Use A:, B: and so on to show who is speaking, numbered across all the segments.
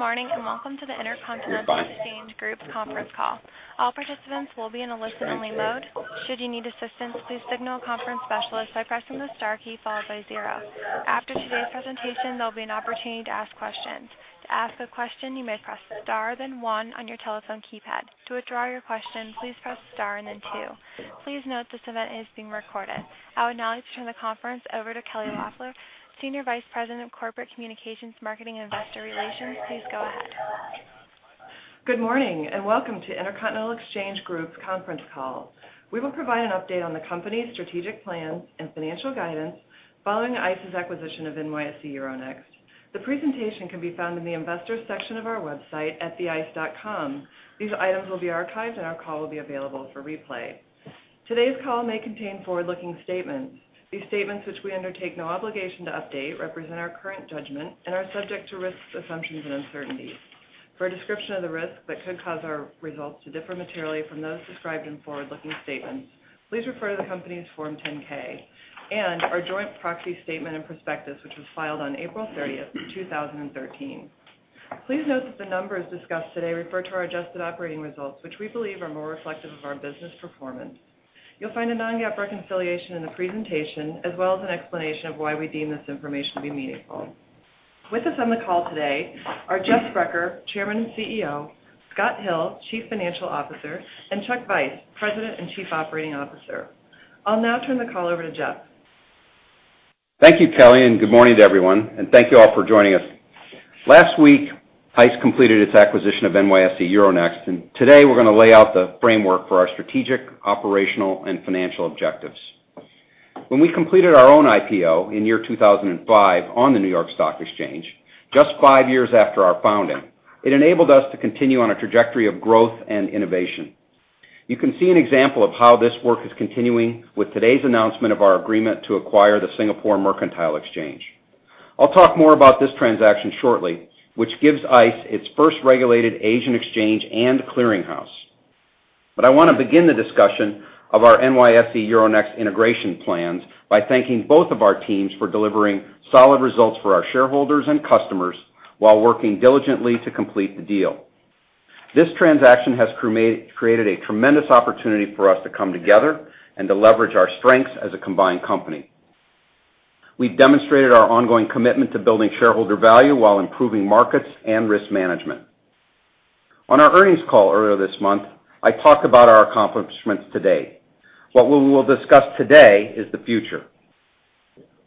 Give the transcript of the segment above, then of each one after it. A: Good morning, and welcome to the IntercontinentalExchange Group, Inc.'s conference call. All participants will be in a listen-only mode. Should you need assistance, please signal a conference specialist by pressing the star key followed by zero. After today's presentation, there'll be an opportunity to ask questions. To ask a question, you may press star then one on your telephone keypad. To withdraw your question, please press star and then two. Please note this event is being recorded. I would now like to turn the conference over to Kelly Loeffler, Senior Vice President of Corporate Communications, Marketing, and Investor Relations. Please go ahead.
B: Good morning, and welcome to IntercontinentalExchange Group, Inc.'s conference call. We will provide an update on the company's strategic plans and financial guidance following ICE's acquisition of NYSE Euronext. The presentation can be found in the investors section of our website at theice.com. These items will be archived, and our call will be available for replay. Today's call may contain forward-looking statements. These statements, which we undertake no obligation to update, represent our current judgment and are subject to risks, assumptions, and uncertainties. For a description of the risks that could cause our results to differ materially from those described in forward-looking statements, please refer to the company's Form 10-K and our joint proxy statement and prospectus, which was filed on April 30th, 2013. Please note that the numbers discussed today refer to our adjusted operating results, which we believe are more reflective of our business performance. You'll find a non-GAAP reconciliation in the presentation, as well as an explanation of why we deem this information to be meaningful. With us on the call today are Jeff Sprecher, Chairman and CEO, Scott Hill, Chief Financial Officer, and Chuck Vice, President and Chief Operating Officer. I'll now turn the call over to Jeff.
C: Thank you, Kelly. Good morning to everyone, and thank you all for joining us. Last week, ICE completed its acquisition of NYSE Euronext. Today we're gonna lay out the framework for our strategic, operational, and financial objectives. When we completed our own IPO in year 2005 on the New York Stock Exchange, just five years after our founding, it enabled us to continue on a trajectory of growth and innovation. You can see an example of how this work is continuing with today's announcement of our agreement to acquire the Singapore Mercantile Exchange. I'll talk more about this transaction shortly, which gives ICE its first regulated Asian exchange and clearinghouse. I wanna begin the discussion of our NYSE Euronext integration plans by thanking both of our teams for delivering solid results for our shareholders and customers while working diligently to complete the deal. This transaction has created a tremendous opportunity for us to come together and to leverage our strengths as a combined company. We've demonstrated our ongoing commitment to building shareholder value while improving markets and risk management. On our earnings call earlier this month, I talked about our accomplishments today. What we will discuss today is the future.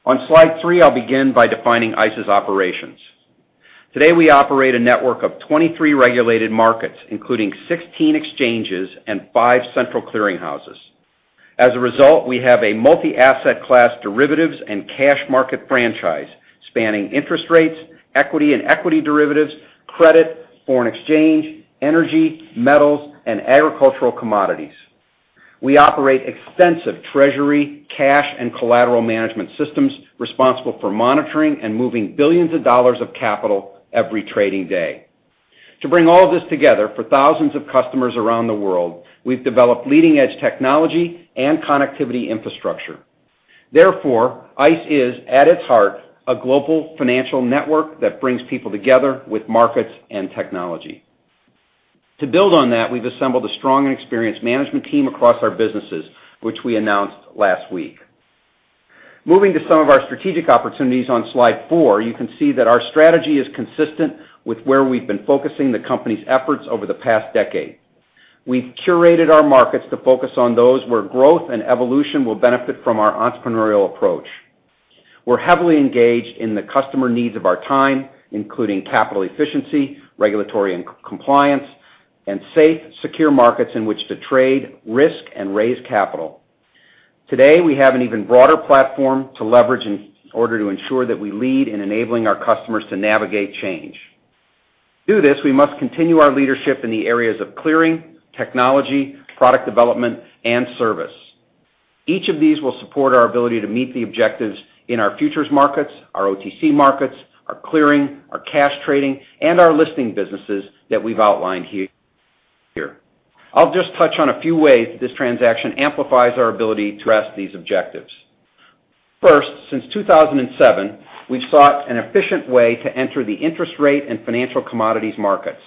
C: On Slide 3, I'll begin by defining ICE's operations. Today, we operate a network of 23 regulated markets, including 16 exchanges and five central clearing houses. As a result, we have a multi-asset class derivatives and cash market franchise spanning interest rates, equity and equity derivatives, credit, foreign exchange, energy, metals, and agricultural commodities. We operate extensive treasury, cash, and collateral management systems responsible for monitoring and moving billions of dollars of capital every trading day. To bring all this together for thousands of customers around the world, we've developed leading-edge technology and connectivity infrastructure. ICE is, at its heart, a global financial network that brings people together with markets and technology. To build on that, we've assembled a strong and experienced management team across our businesses, which we announced last week. Moving to some of our strategic opportunities on Slide 4, you can see that our strategy is consistent with where we've been focusing the company's efforts over the past decade. We've curated our markets to focus on those where growth and evolution will benefit from our entrepreneurial approach. We're heavily engaged in the customer needs of our time, including capital efficiency, regulatory and compliance, and safe, secure markets in which to trade, risk, and raise capital. Today, we have an even broader platform to leverage in order to ensure that we lead in enabling our customers to navigate change. Through this, we must continue our leadership in the areas of clearing, technology, product development, and service. Each of these will support our ability to meet the objectives in our futures markets, our OTC markets, our clearing, our cash trading, and our listing businesses that we've outlined here. I'll just touch on a few ways that this transaction amplifies our ability to address these objectives. First, since 2007, we've sought an efficient way to enter the interest rate and financial commodities markets.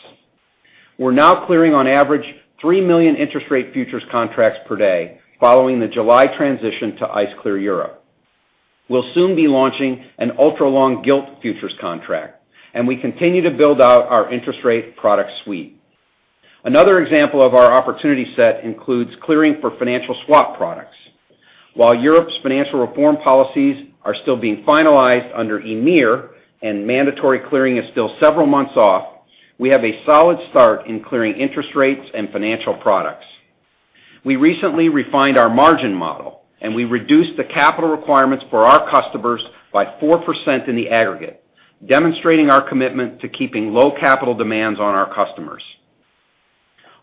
C: We're now clearing on average 3 million interest rate futures contracts per day following the July transition to ICE Clear Europe. We'll soon be launching an ultra-long gilt futures contract, and we continue to build out our interest rate product suite. Another example of our opportunity set includes clearing for financial swap products. While Europe's financial reform policies are still being finalized under EMIR and mandatory clearing is still several months off, we have a solid start in clearing interest rates and financial products. We recently refined our margin model. We reduced the capital requirements for our customers by 4% in the aggregate, demonstrating our commitment to keeping low capital demands on our customers.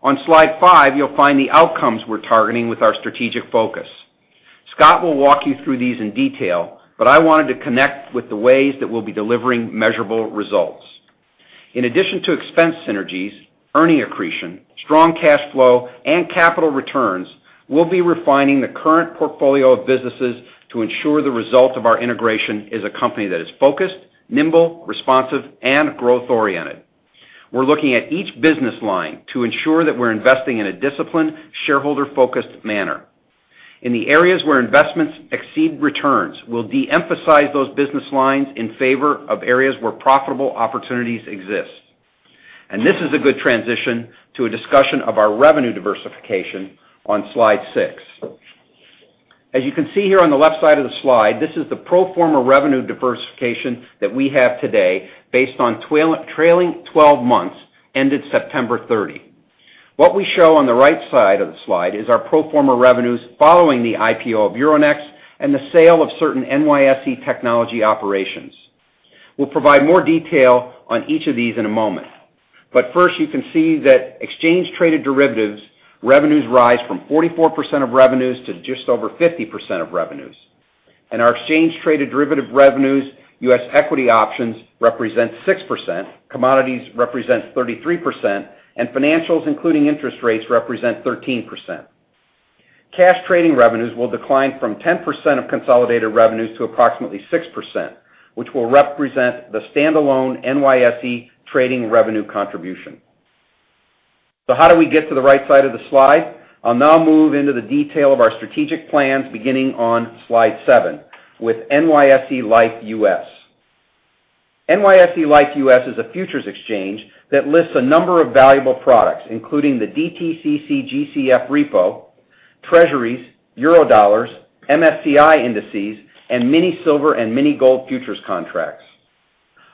C: On Slide 5, you'll find the outcomes we're targeting with our strategic focus. Scott will walk you through these in detail. I wanted to connect with the ways that we'll be delivering measurable results. In addition to expense synergies, earning accretion, strong cash flow, and capital returns. We'll be refining the current portfolio of businesses to ensure the result of our integration is a company that is focused, nimble, responsive, and growth-oriented. We're looking at each business line to ensure that we're investing in a disciplined, shareholder-focused manner. In the areas where investments exceed returns, we'll de-emphasize those business lines in favor of areas where profitable opportunities exist. This is a good transition to a discussion of our revenue diversification on slide six. As you can see here on the left side of the slide, this is the pro forma revenue diversification that we have today based on trailing 12 months ended September 30. What we show on the right side of the slide is our pro forma revenues following the IPO of Euronext and the sale of certain NYSE technology operations. We'll provide more detail on each of these in a moment. First, you can see that exchange traded derivatives revenues rise from 44% of revenues to just over 50% of revenues. Our exchange traded derivative revenues, U.S. equity options represent 6%, commodities represent 33%, and financials, including interest rates, represent 13%. Cash trading revenues will decline from 10% of consolidated revenues to approximately 6%, which will represent the standalone NYSE trading revenue contribution. How do we get to the right side of the slide? I'll now move into the detail of our strategic plans beginning on Slide 7, with NYSE Liffe U.S. NYSE Liffe U.S. is a futures exchange that lists a number of valuable products, including the DTCC GCF Repo, Treasuries, Eurodollars, MSCI indices, and mini silver and mini gold futures contracts.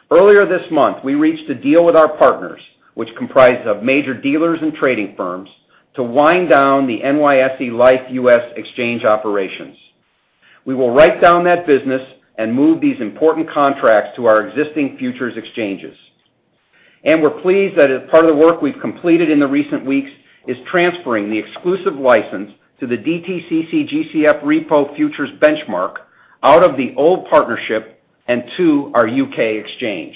C: Earlier this month, we reached a deal with our partners, which comprises of major dealers and trading firms, to wind down the NYSE Liffe U.S. exchange operations. We will write down that business and move these important contracts to our existing futures exchanges. We're pleased that part of the work we've completed in the recent weeks is transferring the exclusive license to the DTCC GCF Repo Futures Benchmark out of the old partnership and to our U.K. exchange.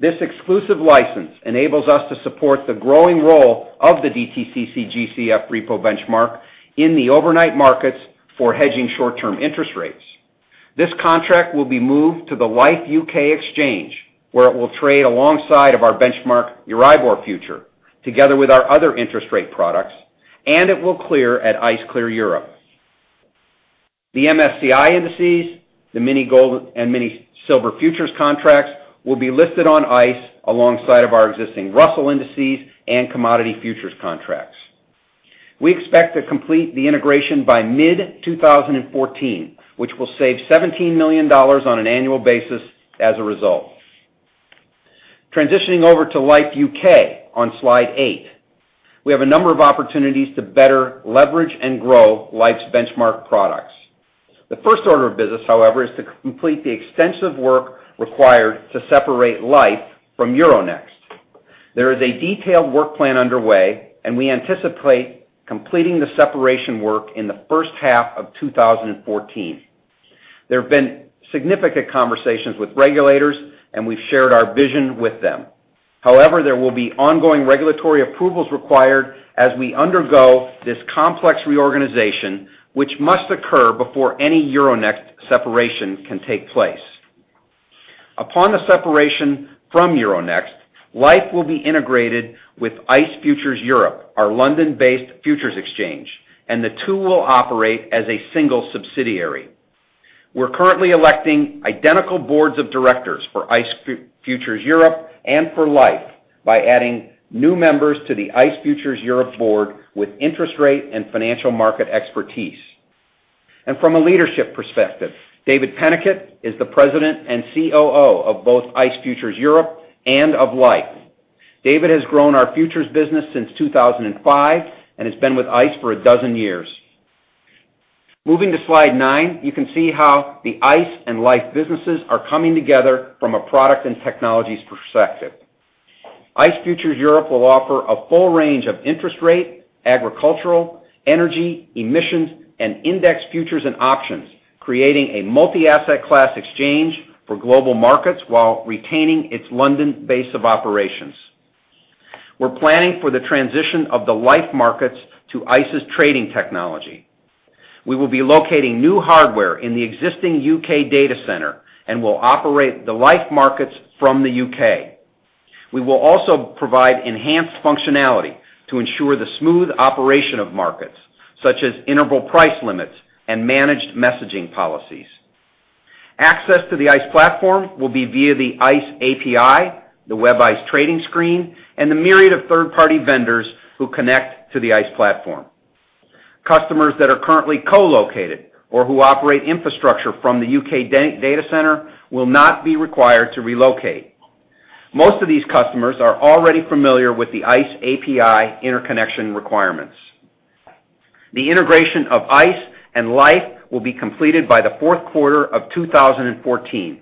C: This exclusive license enables us to support the growing role of the DTCC GCF Repo benchmark in the overnight markets for hedging short-term interest rates. This contract will be moved to the Liffe U.K. exchange, where it will trade alongside of our benchmark Euribor future, together with our other interest rate products, and it will clear at ICE Clear Europe. The MSCI indices, the mini gold and mini silver futures contracts will be listed on ICE alongside of our existing Russell indices and commodity futures contracts. We expect to complete the integration by mid 2014, which will save $17 million on an annual basis as a result. Transitioning over to Liffe U.K. on Slide 8. We have a number of opportunities to better leverage and grow Liffe's benchmark products. The first order of business, however, is to complete the extensive work required to separate Liffe from Euronext. There is a detailed work plan underway, and we anticipate completing the separation work in the first half of 2014. There have been significant conversations with regulators, and we've shared our vision with them. However, there will be ongoing regulatory approvals required as we undergo this complex reorganization, which must occur before any Euronext separation can take place. Upon the separation from Euronext, Liffe will be integrated with ICE Futures Europe, our London-based futures exchange, and the two will operate as a single subsidiary. We're currently electing identical boards of directors for ICE Futures Europe and for Liffe by adding new members to the ICE Futures Europe board with interest rate and financial market expertise. From a leadership perspective, David Peniket is the President and COO of both ICE Futures Europe and of Liffe. David has grown our futures business since 2005 and has been with ICE for a dozen years. Moving to slide nine, you can see how the ICE and Liffe businesses are coming together from a product and technologies perspective. ICE Futures Europe will offer a full range of interest rate, agricultural, energy, emissions, and index futures and options, creating a multi-asset class exchange for global markets while retaining its London base of operations. We're planning for the transition of the Liffe markets to ICE's trading technology. We will be locating new hardware in the existing U.K. data center and will operate the Liffe markets from the U.K. We will also provide enhanced functionality to ensure the smooth operation of markets, such as interval price limits and managed messaging policies. Access to the ICE platform will be via the ICE API, the WebICE trading screen, and the myriad of third-party vendors who connect to the ICE platform. Customers that are currently co-located or who operate infrastructure from the U.K. data center will not be required to relocate. Most of these customers are already familiar with the ICE API interconnection requirements. The integration of ICE and Liffe will be completed by the fourth quarter of 2014.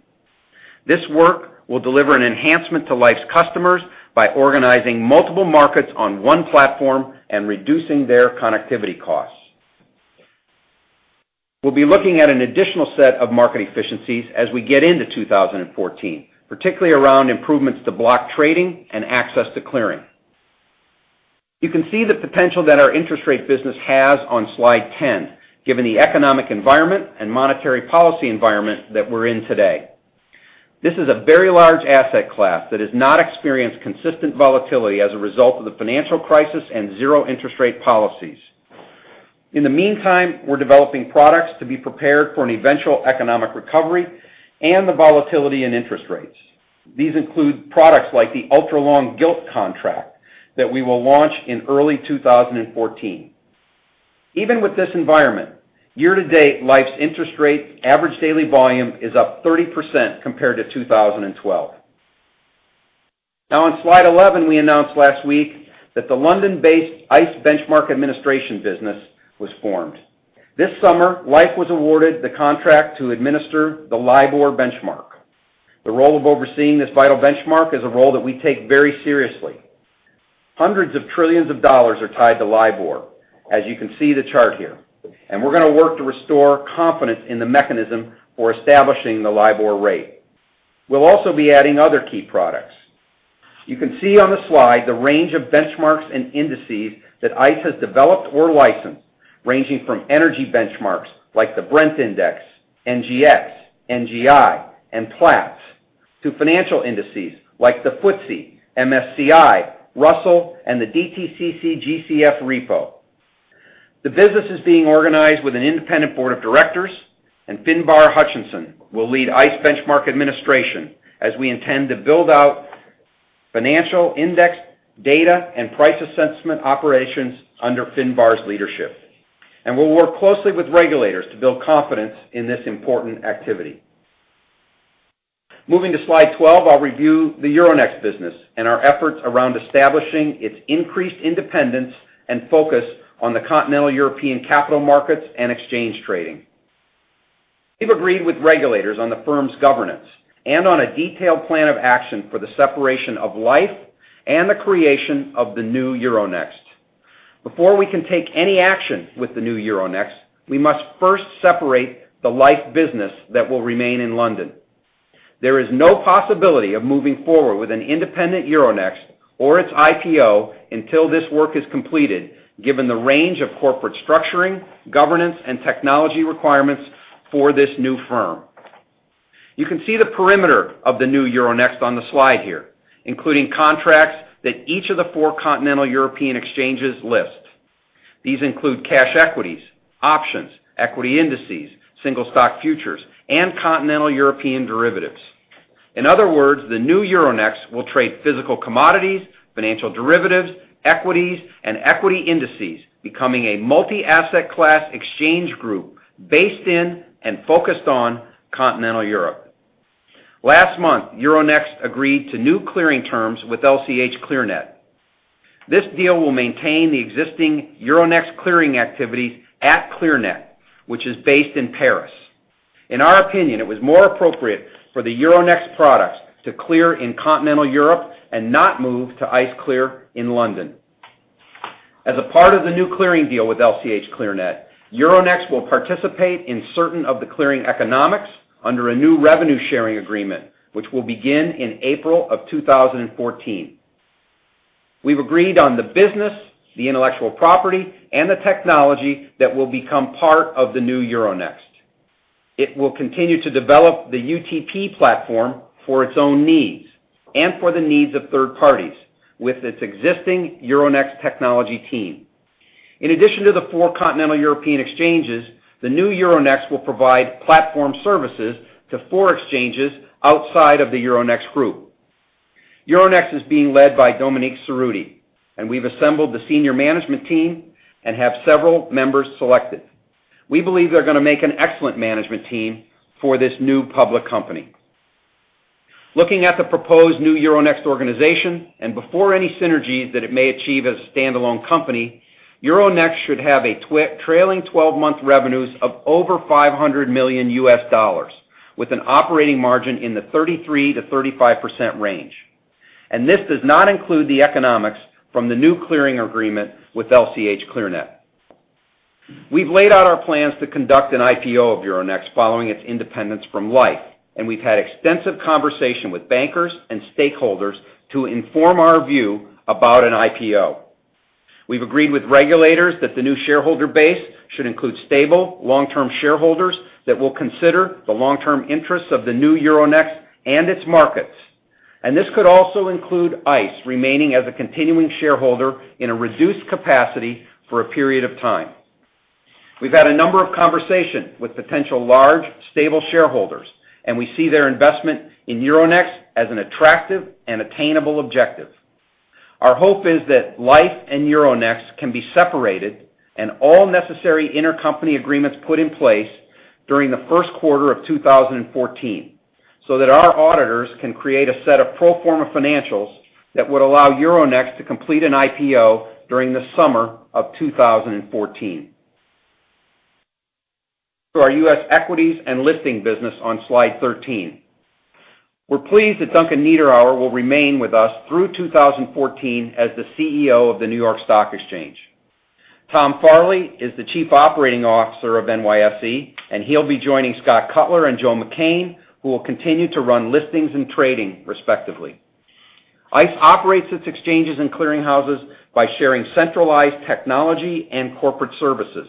C: This work will deliver an enhancement to Liffe's customers by organizing multiple markets on one platform and reducing their connectivity costs. We'll be looking at an additional set of market efficiencies as we get into 2014, particularly around improvements to block trading and access to clearing. You can see the potential that our interest rate business has on slide 10, given the economic environment and monetary policy environment that we're in today. This is a very large asset class that has not experienced consistent volatility as a result of the financial crisis and zero interest rate policies. In the meantime, we're developing products to be prepared for an eventual economic recovery and the volatility in interest rates. These include products like the ultralong gilt contract that we will launch in early 2014. Even with this environment, year-to-date, Liffe's interest rate average daily volume is up 30% compared to 2012. On slide 11, we announced last week that the London-based ICE Benchmark Administration business was formed. This summer, Liffe was awarded the contract to administer the LIBOR benchmark. The role of overseeing this vital benchmark is a role that we take very seriously. Hundreds of trillions of dollars are tied to LIBOR, as you can see the chart here, and we're going to work to restore confidence in the mechanism for establishing the LIBOR rate. We'll also be adding other key products. You can see on the slide the range of benchmarks and indices that ICE has developed or licensed, ranging from energy benchmarks like the ICE Brent Index, NGX, NGI, and Platts, to financial indices like the FTSE, MSCI, Russell, and the DTCC GCF Repo. The business is being organized with an independent board of directors, and Finbarr Hutcheson will lead ICE Benchmark Administration as we intend to build out financial index data and price assessment operations under Finbarr's leadership. We'll work closely with regulators to build confidence in this important activity. Moving to slide 12, I'll review the Euronext business and our efforts around establishing its increased independence and focus on the Continental European capital markets and exchange trading. We've agreed with regulators on the firm's governance and on a detailed plan of action for the separation of Liffe and the creation of the new Euronext. Before we can take any action with the new Euronext, we must first separate the Liffe business that will remain in London. There is no possibility of moving forward with an independent Euronext or its IPO until this work is completed, given the range of corporate structuring, governance, and technology requirements for this new firm. You can see the perimeter of the new Euronext on the slide here, including contracts that each of the four Continental European exchanges list. These include cash equities, options, equity indices, single stock futures, and Continental European derivatives. In other words, the new Euronext will trade physical commodities, financial derivatives, equities, and equity indices, becoming a multi-asset class exchange group based in and focused on Continental Europe. Last month, Euronext agreed to new clearing terms with LCH.Clearnet. This deal will maintain the existing Euronext clearing activities at Clearnet, which is based in Paris. In our opinion, it was more appropriate for the Euronext products to clear in Continental Europe and not move to ICE Clear in London. As a part of the new clearing deal with LCH.Clearnet, Euronext will participate in certain of the clearing economics under a new revenue-sharing agreement, which will begin in April 2014. We've agreed on the business, the intellectual property, and the technology that will become part of the new Euronext. It will continue to develop the UTP platform for its own needs and for the needs of third parties with its existing Euronext technology team. In addition to the four Continental European exchanges, the new Euronext will provide platform services to four exchanges outside of the Euronext group. Euronext is being led by Dominique Cerutti. We've assembled the senior management team and have several members selected. We believe they're going to make an excellent management team for this new public company. Looking at the proposed new Euronext organization, before any synergies that it may achieve as a standalone company, Euronext should have a trailing 12-month revenues of over $500 million with an operating margin in the 33%-35% range. This does not include the economics from the new clearing agreement with LCH.Clearnet. We've laid out our plans to conduct an IPO of Euronext following its independence from Liffe. We've had extensive conversation with bankers and stakeholders to inform our view about an IPO. We've agreed with regulators that the new shareholder base should include stable, long-term shareholders that will consider the long-term interests of the new Euronext and its markets. This could also include ICE remaining as a continuing shareholder in a reduced capacity for a period of time. We've had a number of conversations with potential large, stable shareholders. We see their investment in Euronext as an attractive and attainable objective. Our hope is that Liffe and Euronext can be separated and all necessary intercompany agreements put in place during the first quarter of 2014, so that our auditors can create a set of pro forma financials that would allow Euronext to complete an IPO during the summer of 2014. To our U.S. equities and listing business on slide 13. We are pleased that Duncan Niederauer will remain with us through 2014 as the CEO of the New York Stock Exchange. Tom Farley is the Chief Operating Officer of NYSE, and he will be joining Scott Cutler and Joe Mecane, who will continue to run listings and trading respectively. ICE operates its exchanges and clearing houses by sharing centralized technology and corporate services.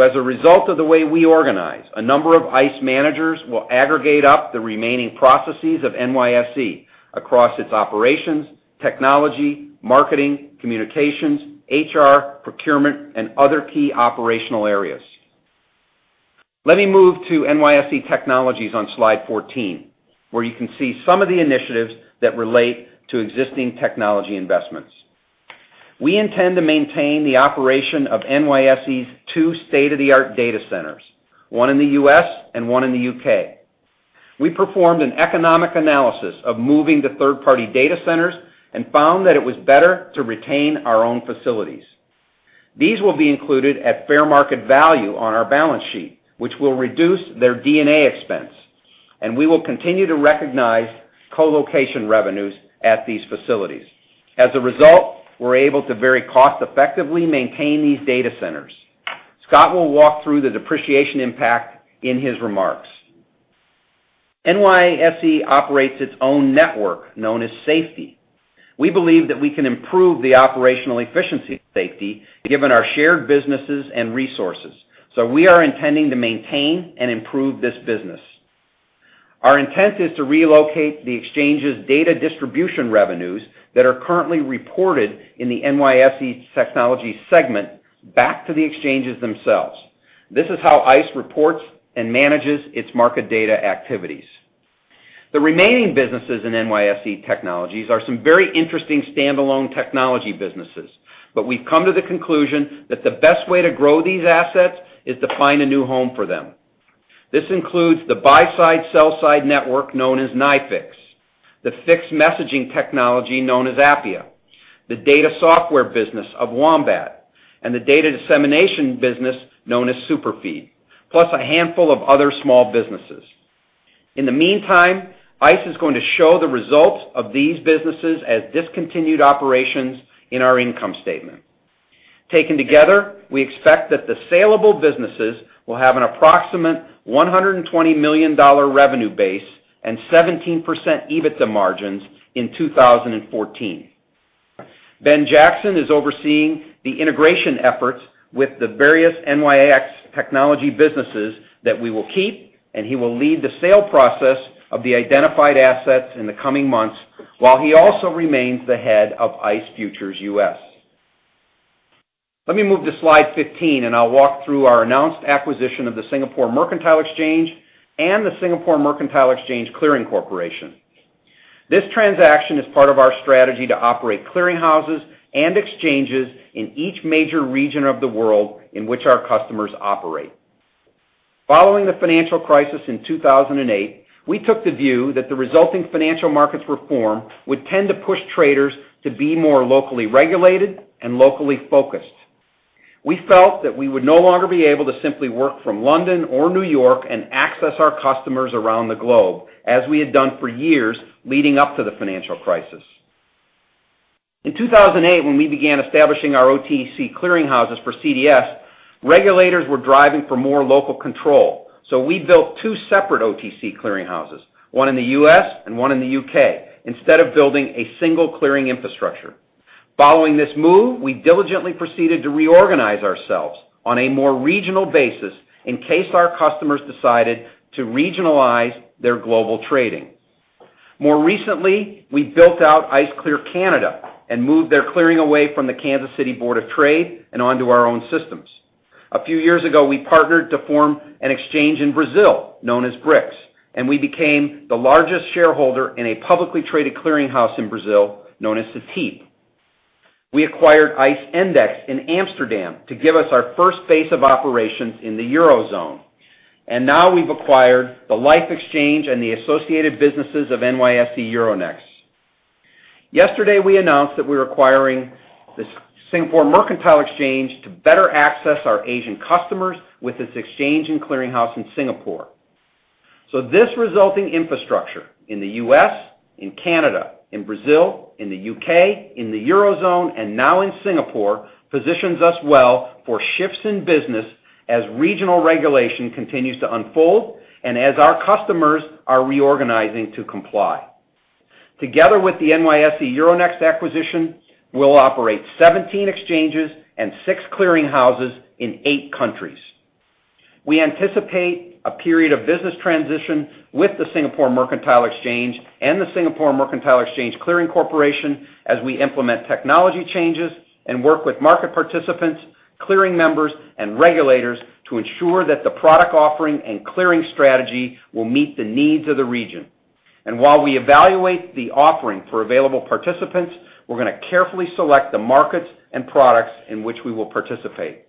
C: As a result of the way we organize, a number of ICE managers will aggregate up the remaining processes of NYSE across its operations, technology, marketing, communications, HR, procurement, and other key operational areas. Let me move to NYSE Technologies on slide 14, where you can see some of the initiatives that relate to existing technology investments. We intend to maintain the operation of NYSE's two state-of-the-art data centers, one in the U.S. and one in the U.K. We performed an economic analysis of moving to third-party data centers and found that it was better to retain our own facilities. These will be included at fair market value on our balance sheet, which will reduce their D&A expense, and we will continue to recognize co-location revenues at these facilities. As a result, we are able to very cost effectively maintain these data centers. Scott will walk through the depreciation impact in his remarks. NYSE operates its own network known as SFTI. We believe that we can improve the operational efficiency of SFTI given our shared businesses and resources. We are intending to maintain and improve this business. Our intent is to relocate the exchange's data distribution revenues that are currently reported in the NYSE Technologies segment back to the exchanges themselves. This is how ICE reports and manages its market data activities. The remaining businesses in NYSE Technologies are some very interesting standalone technology businesses. But we have come to the conclusion that the best way to grow these assets is to find a new home for them. This includes the buy-side, sell-side network known as NYFIX, the FIX messaging technology known as Appia, the data software business of Wombat, and the data dissemination business known as SuperFeed, plus a handful of other small businesses. In the meantime, ICE is going to show the results of these businesses as discontinued operations in our income statement. Taken together, we expect that the saleable businesses will have an approximate $120 million revenue base and 17% EBITDA margins in 2014. Ben Jackson is overseeing the integration efforts with the various NYX technology businesses that we will keep, and he will lead the sale process of the identified assets in the coming months, while he also remains the head of ICE Futures U.S. Let me move to slide 15 and I will walk through our announced acquisition of the Singapore Mercantile Exchange and the Singapore Mercantile Exchange Clearing Corporation. This transaction is part of our strategy to operate clearing houses and exchanges in each major region of the world in which our customers operate. Following the financial crisis in 2008, we took the view that the resulting financial markets reform would tend to push traders to be more locally regulated and locally focused. We felt that we would no longer be able to simply work from London or New York and access our customers around the globe, as we had done for years leading up to the financial crisis. In 2008, when we began establishing our OTC clearing houses for CDS, regulators were driving for more local control. We built two separate OTC clearing houses, one in the U.S. and one in the U.K., instead of building a single clearing infrastructure. Following this move, we diligently proceeded to reorganize ourselves on a more regional basis in case our customers decided to regionalize their global trading. More recently, we built out ICE Clear Canada and moved their clearing away from the Kansas City Board of Trade and onto our own systems. A few years ago, we partnered to form an exchange in Brazil known as BRIX, and we became the largest shareholder in a publicly traded clearing house in Brazil known as Cetip. We acquired ICE Endex in Amsterdam to give us our first base of operations in the Eurozone. Now we've acquired the Liffe Exchange and the associated businesses of NYSE Euronext. Yesterday, we announced that we're acquiring the Singapore Mercantile Exchange to better access our Asian customers with its exchange and clearing house in Singapore. This resulting infrastructure in the U.S., in Canada, in Brazil, in the U.K., in the Eurozone, and now in Singapore, positions us well for shifts in business as regional regulation continues to unfold and as our customers are reorganizing to comply. Together with the NYSE Euronext acquisition, we'll operate 17 exchanges and six clearing houses in eight countries. We anticipate a period of business transition with the Singapore Mercantile Exchange and the Singapore Mercantile Exchange Clearing Corporation as we implement technology changes and work with market participants, clearing members, and regulators to ensure that the product offering and clearing strategy will meet the needs of the region. While we evaluate the offering for available participants, we're going to carefully select the markets and products in which we will participate.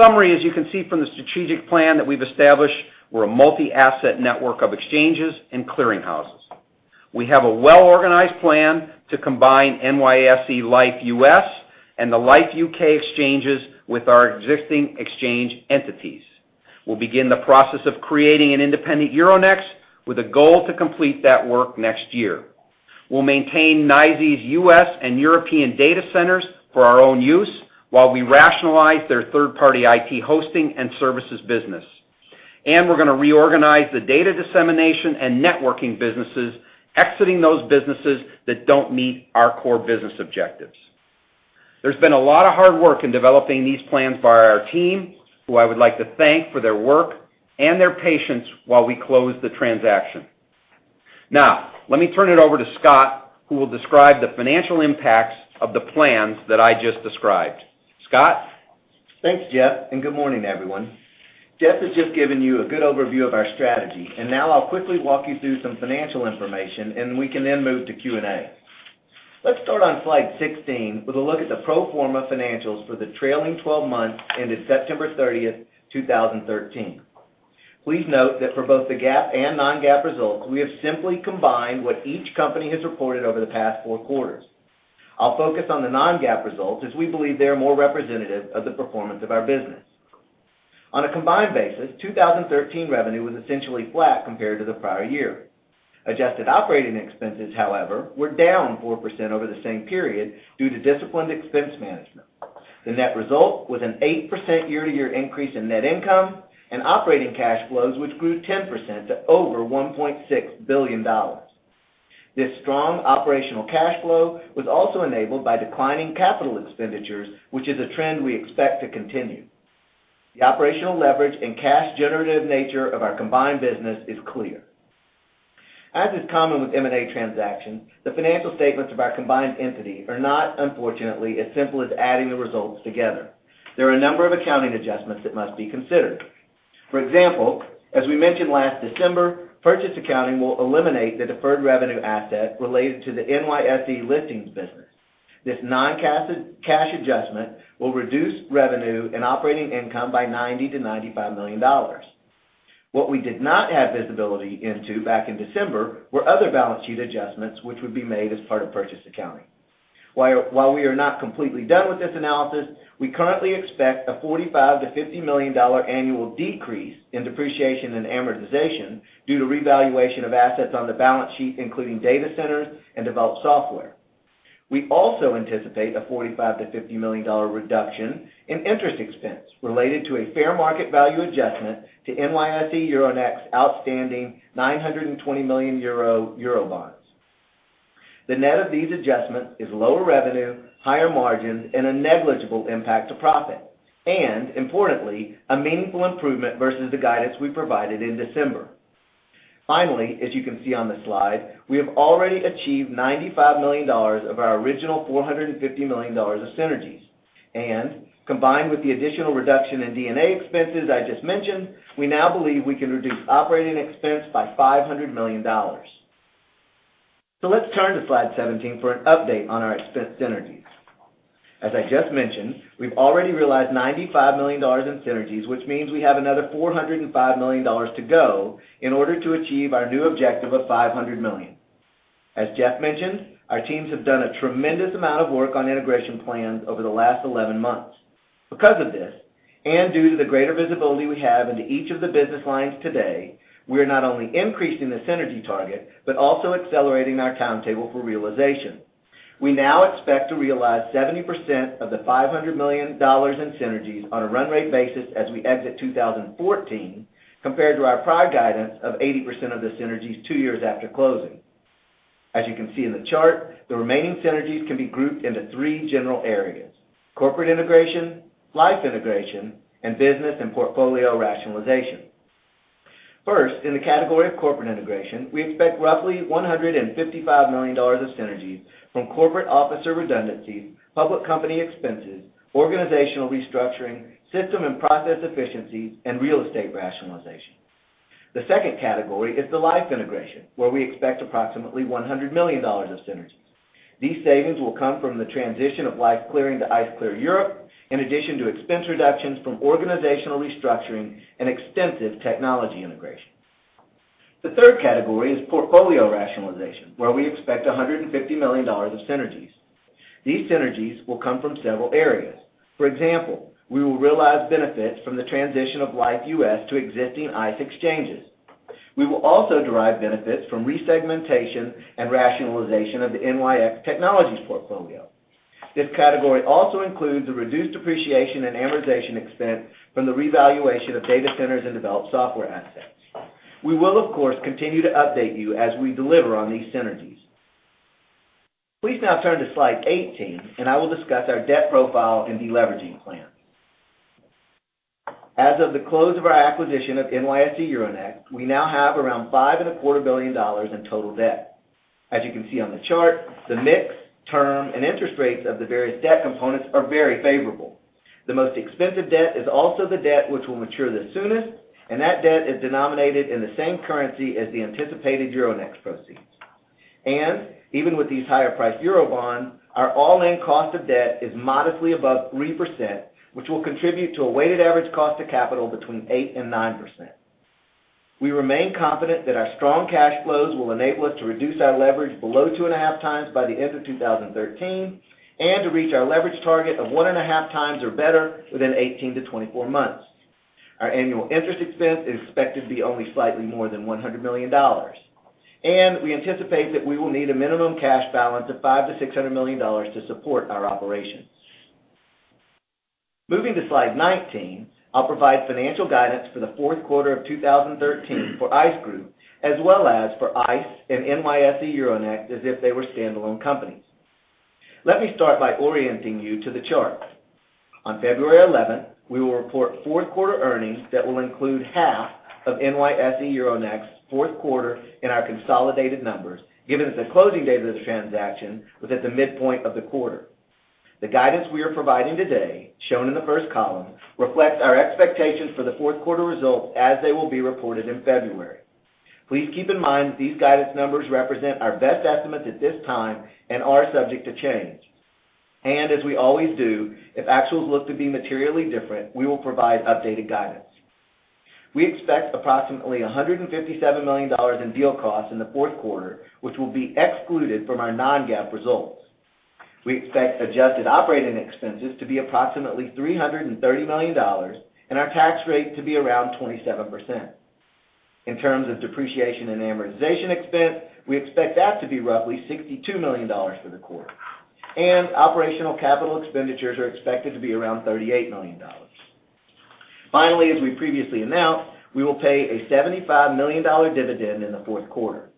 C: Summary, as you can see from the strategic plan that we've established, we're a multi-asset network of exchanges and clearing houses. We have a well-organized plan to combine NYSE Liffe U.S. and the Liffe U.K. exchanges with our existing exchange entities. We'll begin the process of creating an independent Euronext with a goal to complete that work next year. We'll maintain NYSE's U.S. and European data centers for our own use while we rationalize their third-party IT hosting and services business. We're going to reorganize the data dissemination and networking businesses, exiting those businesses that don't meet our core business objectives. There's been a lot of hard work in developing these plans by our team, who I would like to thank for their work and their patience while we close the transaction. Now, let me turn it over to Scott, who will describe the financial impacts of the plans that I just described. Scott?
D: Thanks, Jeff. Good morning, everyone. Jeff has just given you a good overview of our strategy. Now I'll quickly walk you through some financial information and we can then move to Q&A. Let's start on slide 16 with a look at the pro forma financials for the trailing 12 months ended September 30th, 2013. Please note that for both the GAAP and non-GAAP results, we have simply combined what each company has reported over the past four quarters. I'll focus on the non-GAAP results as we believe they are more representative of the performance of our business. On a combined basis, 2013 revenue was essentially flat compared to the prior year. Adjusted operating expenses, however, were down 4% over the same period due to disciplined expense management. The net result was an 8% year-to-year increase in net income and operating cash flows, which grew 10% to over $1.6 billion. This strong operational cash flow was also enabled by declining capital expenditures, which is a trend we expect to continue. The operational leverage and cash generative nature of our combined business is clear. As is common with M&A transactions, the financial statements of our combined entity are not, unfortunately, as simple as adding the results together. There are a number of accounting adjustments that must be considered. For example, as we mentioned last December, purchase accounting will eliminate the deferred revenue asset related to the NYSE listings business. This non-cash adjustment will reduce revenue and operating income by $90 million to $95 million. What we did not have visibility into back in December were other balance sheet adjustments which would be made as part of purchase accounting. While we are not completely done with this analysis, we currently expect a $45 million to $50 million annual decrease in depreciation and amortization due to revaluation of assets on the balance sheet, including data centers and developed software. We also anticipate a $45 million to $50 million reduction in interest expense related to a fair market value adjustment to NYSE Euronext's outstanding 920 million euro Eurobonds. The net of these adjustments is lower revenue, higher margins, and a negligible impact to profit. Importantly, a meaningful improvement versus the guidance we provided in December. Finally, as you can see on the slide, we have already achieved $95 million of our original $450 million of synergies. Combined with the additional reduction in D&A expenses I just mentioned, we now believe we can reduce operating expense by $500 million. Let's turn to slide 17 for an update on our expense synergies. As I just mentioned, we've already realized $95 million in synergies, which means we have another $405 million to go in order to achieve our new objective of $500 million. As Jeff mentioned, our teams have done a tremendous amount of work on integration plans over the last 11 months. Because of this, and due to the greater visibility we have into each of the business lines today, we are not only increasing the synergy target, but also accelerating our timetable for realization. We now expect to realize 70% of the $500 million in synergies on a run-rate basis as we exit 2014, compared to our prior guidance of 80% of the synergies two years after closing. As you can see in the chart, the remaining synergies can be grouped into three general areas: corporate integration, Liffe integration, and business and portfolio rationalization. First, in the category of corporate integration, we expect roughly $155 million of synergies from corporate officer redundancies, public company expenses, organizational restructuring, system and process efficiencies, and real estate rationalization. The second category is the Liffe integration, where we expect approximately $100 million of synergies. These savings will come from the transition of Liffe Clearing to ICE Clear Europe, in addition to expense reductions from organizational restructuring and extensive technology integration. The third category is portfolio rationalization, where we expect $150 million of synergies. These synergies will come from several areas. For example, we will realize benefits from the transition of Liffe U.S. to existing ICE exchanges. We will also derive benefits from resegmentation and rationalization of the NYSE Technologies portfolio. This category also includes the reduced depreciation and amortization expense from the revaluation of data centers and developed software assets. We will, of course, continue to update you as we deliver on these synergies. Please now turn to slide 18. I will discuss our debt profile and deleveraging plan. As of the close of our acquisition of NYSE Euronext, we now have around $5.25 billion in total debt. As you can see on the chart, the mix, term, and interest rates of the various debt components are very favorable. The most expensive debt is also the debt which will mature the soonest. That debt is denominated in the same currency as the anticipated Euronext proceeds. Even with these higher priced Eurobonds, our all-in cost of debt is modestly above 3%, which will contribute to a weighted average cost of capital between 8% and 9%. We remain confident that our strong cash flows will enable us to reduce our leverage below two and a half times by the end of 2013, and to reach our leverage target of one and a half times or better within 18 to 24 months. Our annual interest expense is expected to be only slightly more than $100 million. We anticipate that we will need a minimum cash balance of $500 million-$600 million to support our operations. Moving to slide 19, I'll provide financial guidance for the fourth quarter of 2013 for ICE Group, as well as for ICE and NYSE Euronext as if they were standalone companies. Let me start by orienting you to the chart. On February 11th, we will report fourth quarter earnings that will include half of NYSE Euronext's fourth quarter in our consolidated numbers, given that the closing date of the transaction was at the midpoint of the quarter. The guidance we are providing today, shown in the first column, reflects our expectations for the fourth quarter results as they will be reported in February. Please keep in mind these guidance numbers represent our best estimates at this time and are subject to change. As we always do, if actuals look to be materially different, we will provide updated guidance. We expect approximately $157 million in deal costs in the fourth quarter, which will be excluded from our non-GAAP results. We expect adjusted operating expenses to be approximately $330 million and our tax rate to be around 27%. In terms of depreciation and amortization expense, we expect that to be roughly $62 million for the quarter. Operational capital expenditures are expected to be around $38 million. Finally, as we previously announced, we will pay a $75 million dividend in the fourth quarter.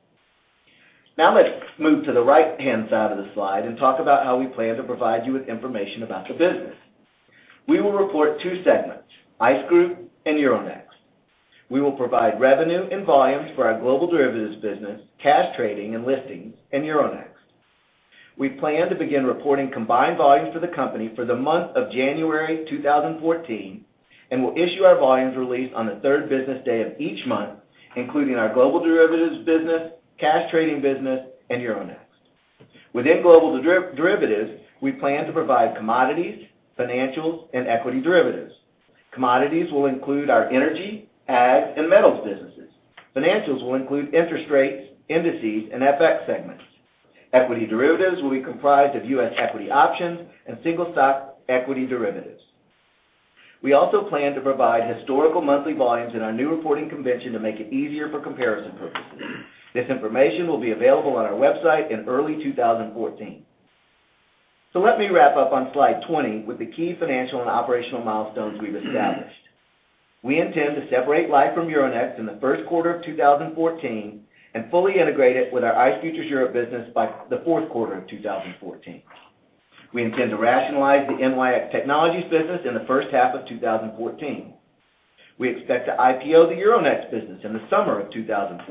D: Now let's move to the right-hand side of the slide and talk about how we plan to provide you with information about the business. We will report two segments, ICE Group and Euronext. We will provide revenue and volumes for our global derivatives business, cash trading and listings, and Euronext. We plan to begin reporting combined volumes for the company for the month of January 2014, and we'll issue our volumes release on the third business day of each month, including our global derivatives business, cash trading business, and Euronext. Within global derivatives, we plan to provide commodities, financials, and equity derivatives. Commodities will include our energy, ag, and metals businesses. Financials will include interest rates, indices, and FX segments. Equity derivatives will be comprised of U.S. equity options and single-stock equity derivatives. We also plan to provide historical monthly volumes in our new reporting convention to make it easier for comparison purposes. This information will be available on our website in early 2014. Let me wrap up on slide 20 with the key financial and operational milestones we've established. We intend to separate Liffe from Euronext in the first quarter of 2014, and fully integrate it with our ICE Futures Europe business by the fourth quarter of 2014. We intend to rationalize the NYSE Technologies business in the first half of 2014. We expect to IPO the Euronext business in the summer of 2014.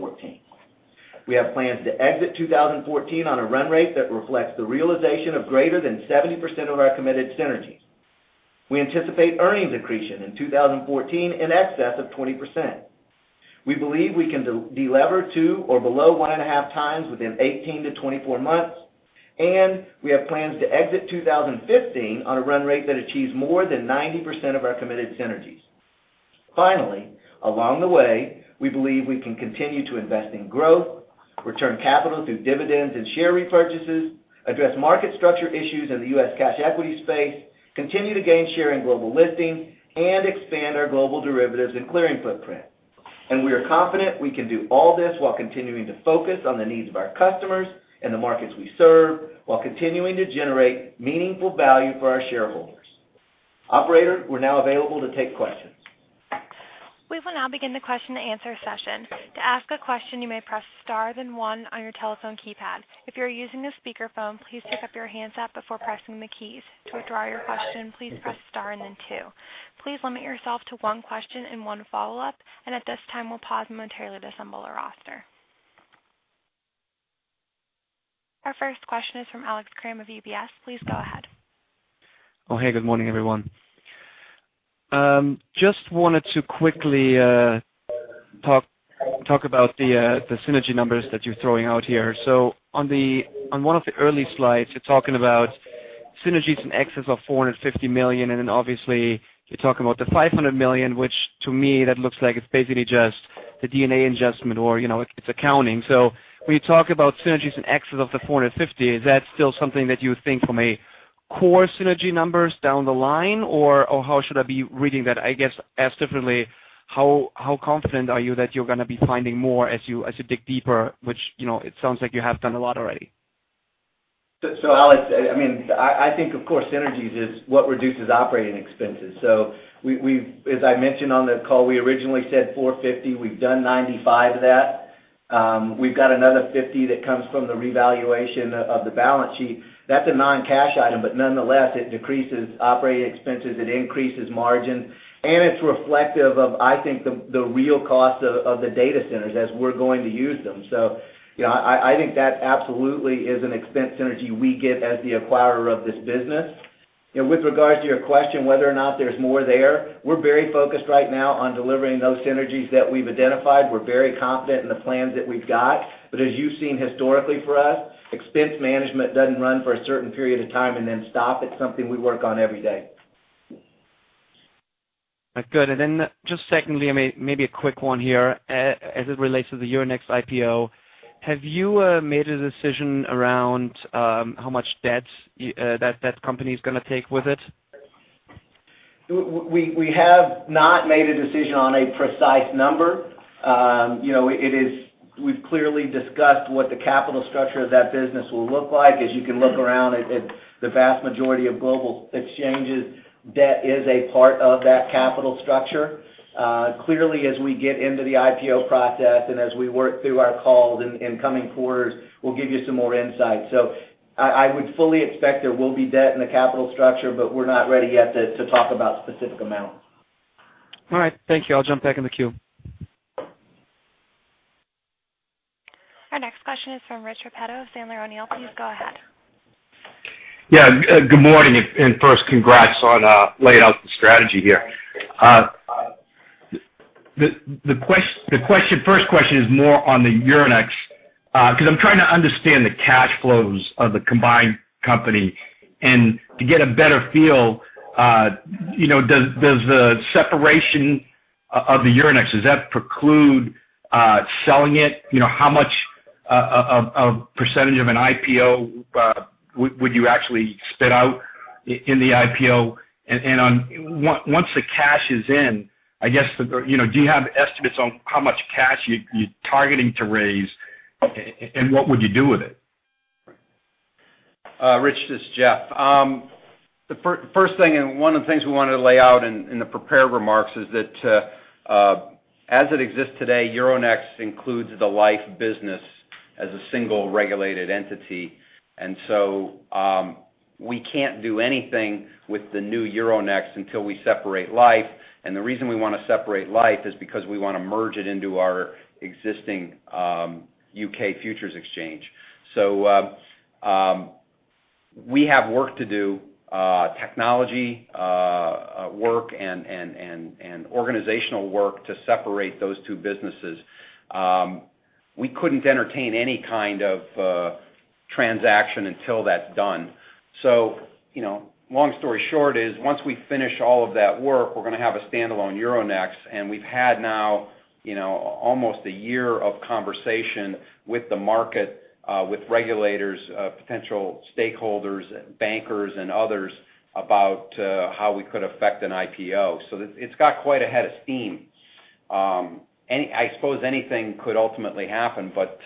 D: We have plans to exit 2014 on a run rate that reflects the realization of greater than 70% of our committed synergies. We anticipate earnings accretion in 2014 in excess of 20%. We believe we can delever to or below one and a half times within 18 to 24 months, and we have plans to exit 2015 on a run rate that achieves more than 90% of our committed synergies. Finally, along the way, we believe we can continue to invest in growth, return capital through dividends and share repurchases, address market structure issues in the U.S. cash equity space, continue to gain share in global listings, and expand our global derivatives and clearing footprint. We are confident we can do all this while continuing to focus on the needs of our customers and the markets we serve, while continuing to generate meaningful value for our shareholders. Operator, we're now available to take questions.
A: We will now begin the question and answer session. To ask a question, you may press star, then one on your telephone keypad. If you're using a speakerphone, please pick up your handset before pressing the keys. To withdraw your question, please press star and then two. Please limit yourself to one question and one follow-up. At this time, we'll pause momentarily to assemble a roster. Our first question is from Alex Kramm of UBS. Please go ahead.
E: Hey, good morning, everyone. Just wanted to quickly talk about the synergy numbers that you're throwing out here. On one of the early slides, you're talking about synergies in excess of $450 million, then obviously you're talking about the $500 million, which to me, that looks like it's basically just the D&A adjustment or it's accounting. When you talk about synergies in excess of the $450, is that still something that you think from a core synergy numbers down the line, or how should I be reading that? I guess asked differently, how confident are you that you're going to be finding more as you dig deeper, which it sounds like you have done a lot already.
D: Alex, I think, of course, synergies is what reduces operating expenses. As I mentioned on the call, we originally said $450. We've done $95 of that. We've got another $50 that comes from the revaluation of the balance sheet. That's a non-cash item, but nonetheless, it decreases operating expenses, it increases margin, and it's reflective of, I think, the real cost of the data centers as we're going to use them. I think that absolutely is an expense synergy we get as the acquirer of this business. With regards to your question, whether or not there's more there, we're very focused right now on delivering those synergies that we've identified. We're very confident in the plans that we've got. As you've seen historically for us, expense management doesn't run for a certain period of time and then stop. It's something we work on every day.
E: Good. Then just secondly, maybe a quick one here, as it relates to the Euronext IPO, have you made a decision around how much debt that company is going to take with it?
D: We have not made a decision on a precise number. We've clearly discussed what the capital structure of that business will look like. As you can look around at the vast majority of global exchanges, debt is a part of that capital structure. Clearly, as we get into the IPO process and as we work through our calls in coming quarters, we'll give you some more insight. I would fully expect there will be debt in the capital structure, we're not ready yet to talk about specific amounts.
E: All right. Thank you. I'll jump back in the queue.
A: Our next question is from Rich Repetto, Sandler O'Neill. Please go ahead.
F: Yeah. Good morning. First, congrats on laying out the strategy here. The first question is more on the Euronext, because I'm trying to understand the cash flows of the combined company and to get a better feel, does the separation of the Euronext, does that preclude selling it? How much of a percentage of an IPO would you actually spit out in the IPO? Once the cash is in, do you have estimates on how much cash you're targeting to raise, and what would you do with it?
C: Rich, this is Jeff. The first thing, and one of the things we wanted to lay out in the prepared remarks, is that as it exists today, Euronext includes the Liffe business as a single regulated entity. We can't do anything with the new Euronext until we separate Liffe. The reason we want to separate Liffe is because we want to merge it into our existing U.K. Futures Exchange. We have work to do, technology work and organizational work to separate those two businesses. We couldn't entertain any kind of transaction until that's done. Long story short is, once we finish all of that work, we're going to have a standalone Euronext. We've had now almost a year of conversation with the market, with regulators, potential stakeholders, bankers, and others about how we could affect an IPO. It's got quite a head of steam. I suppose anything could ultimately happen, but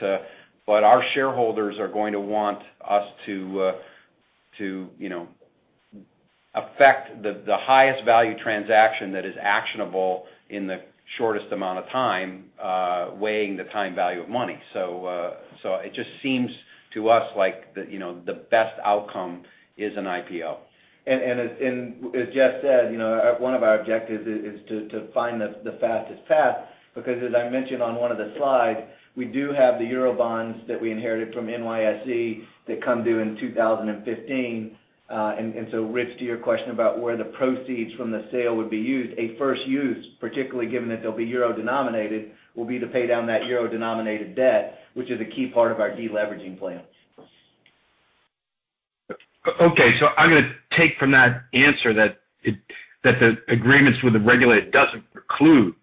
C: our shareholders are going to want us to affect the highest value transaction that is actionable in the shortest amount of time, weighing the time value of money. It just seems to us like the best outcome is an IPO.
D: As Jeff said, one of our objectives is to find the fastest path, because as I mentioned on one of the slides, we do have the Eurobonds that we inherited from NYSE that come due in 2015. Rich, to your question about where the proceeds from the sale would be used, a first use, particularly given that they'll be euro denominated, will be to pay down that euro denominated debt, which is a key part of our de-leveraging plan.
F: Okay. I'm going to take from that answer that the agreements with the regulator doesn't preclude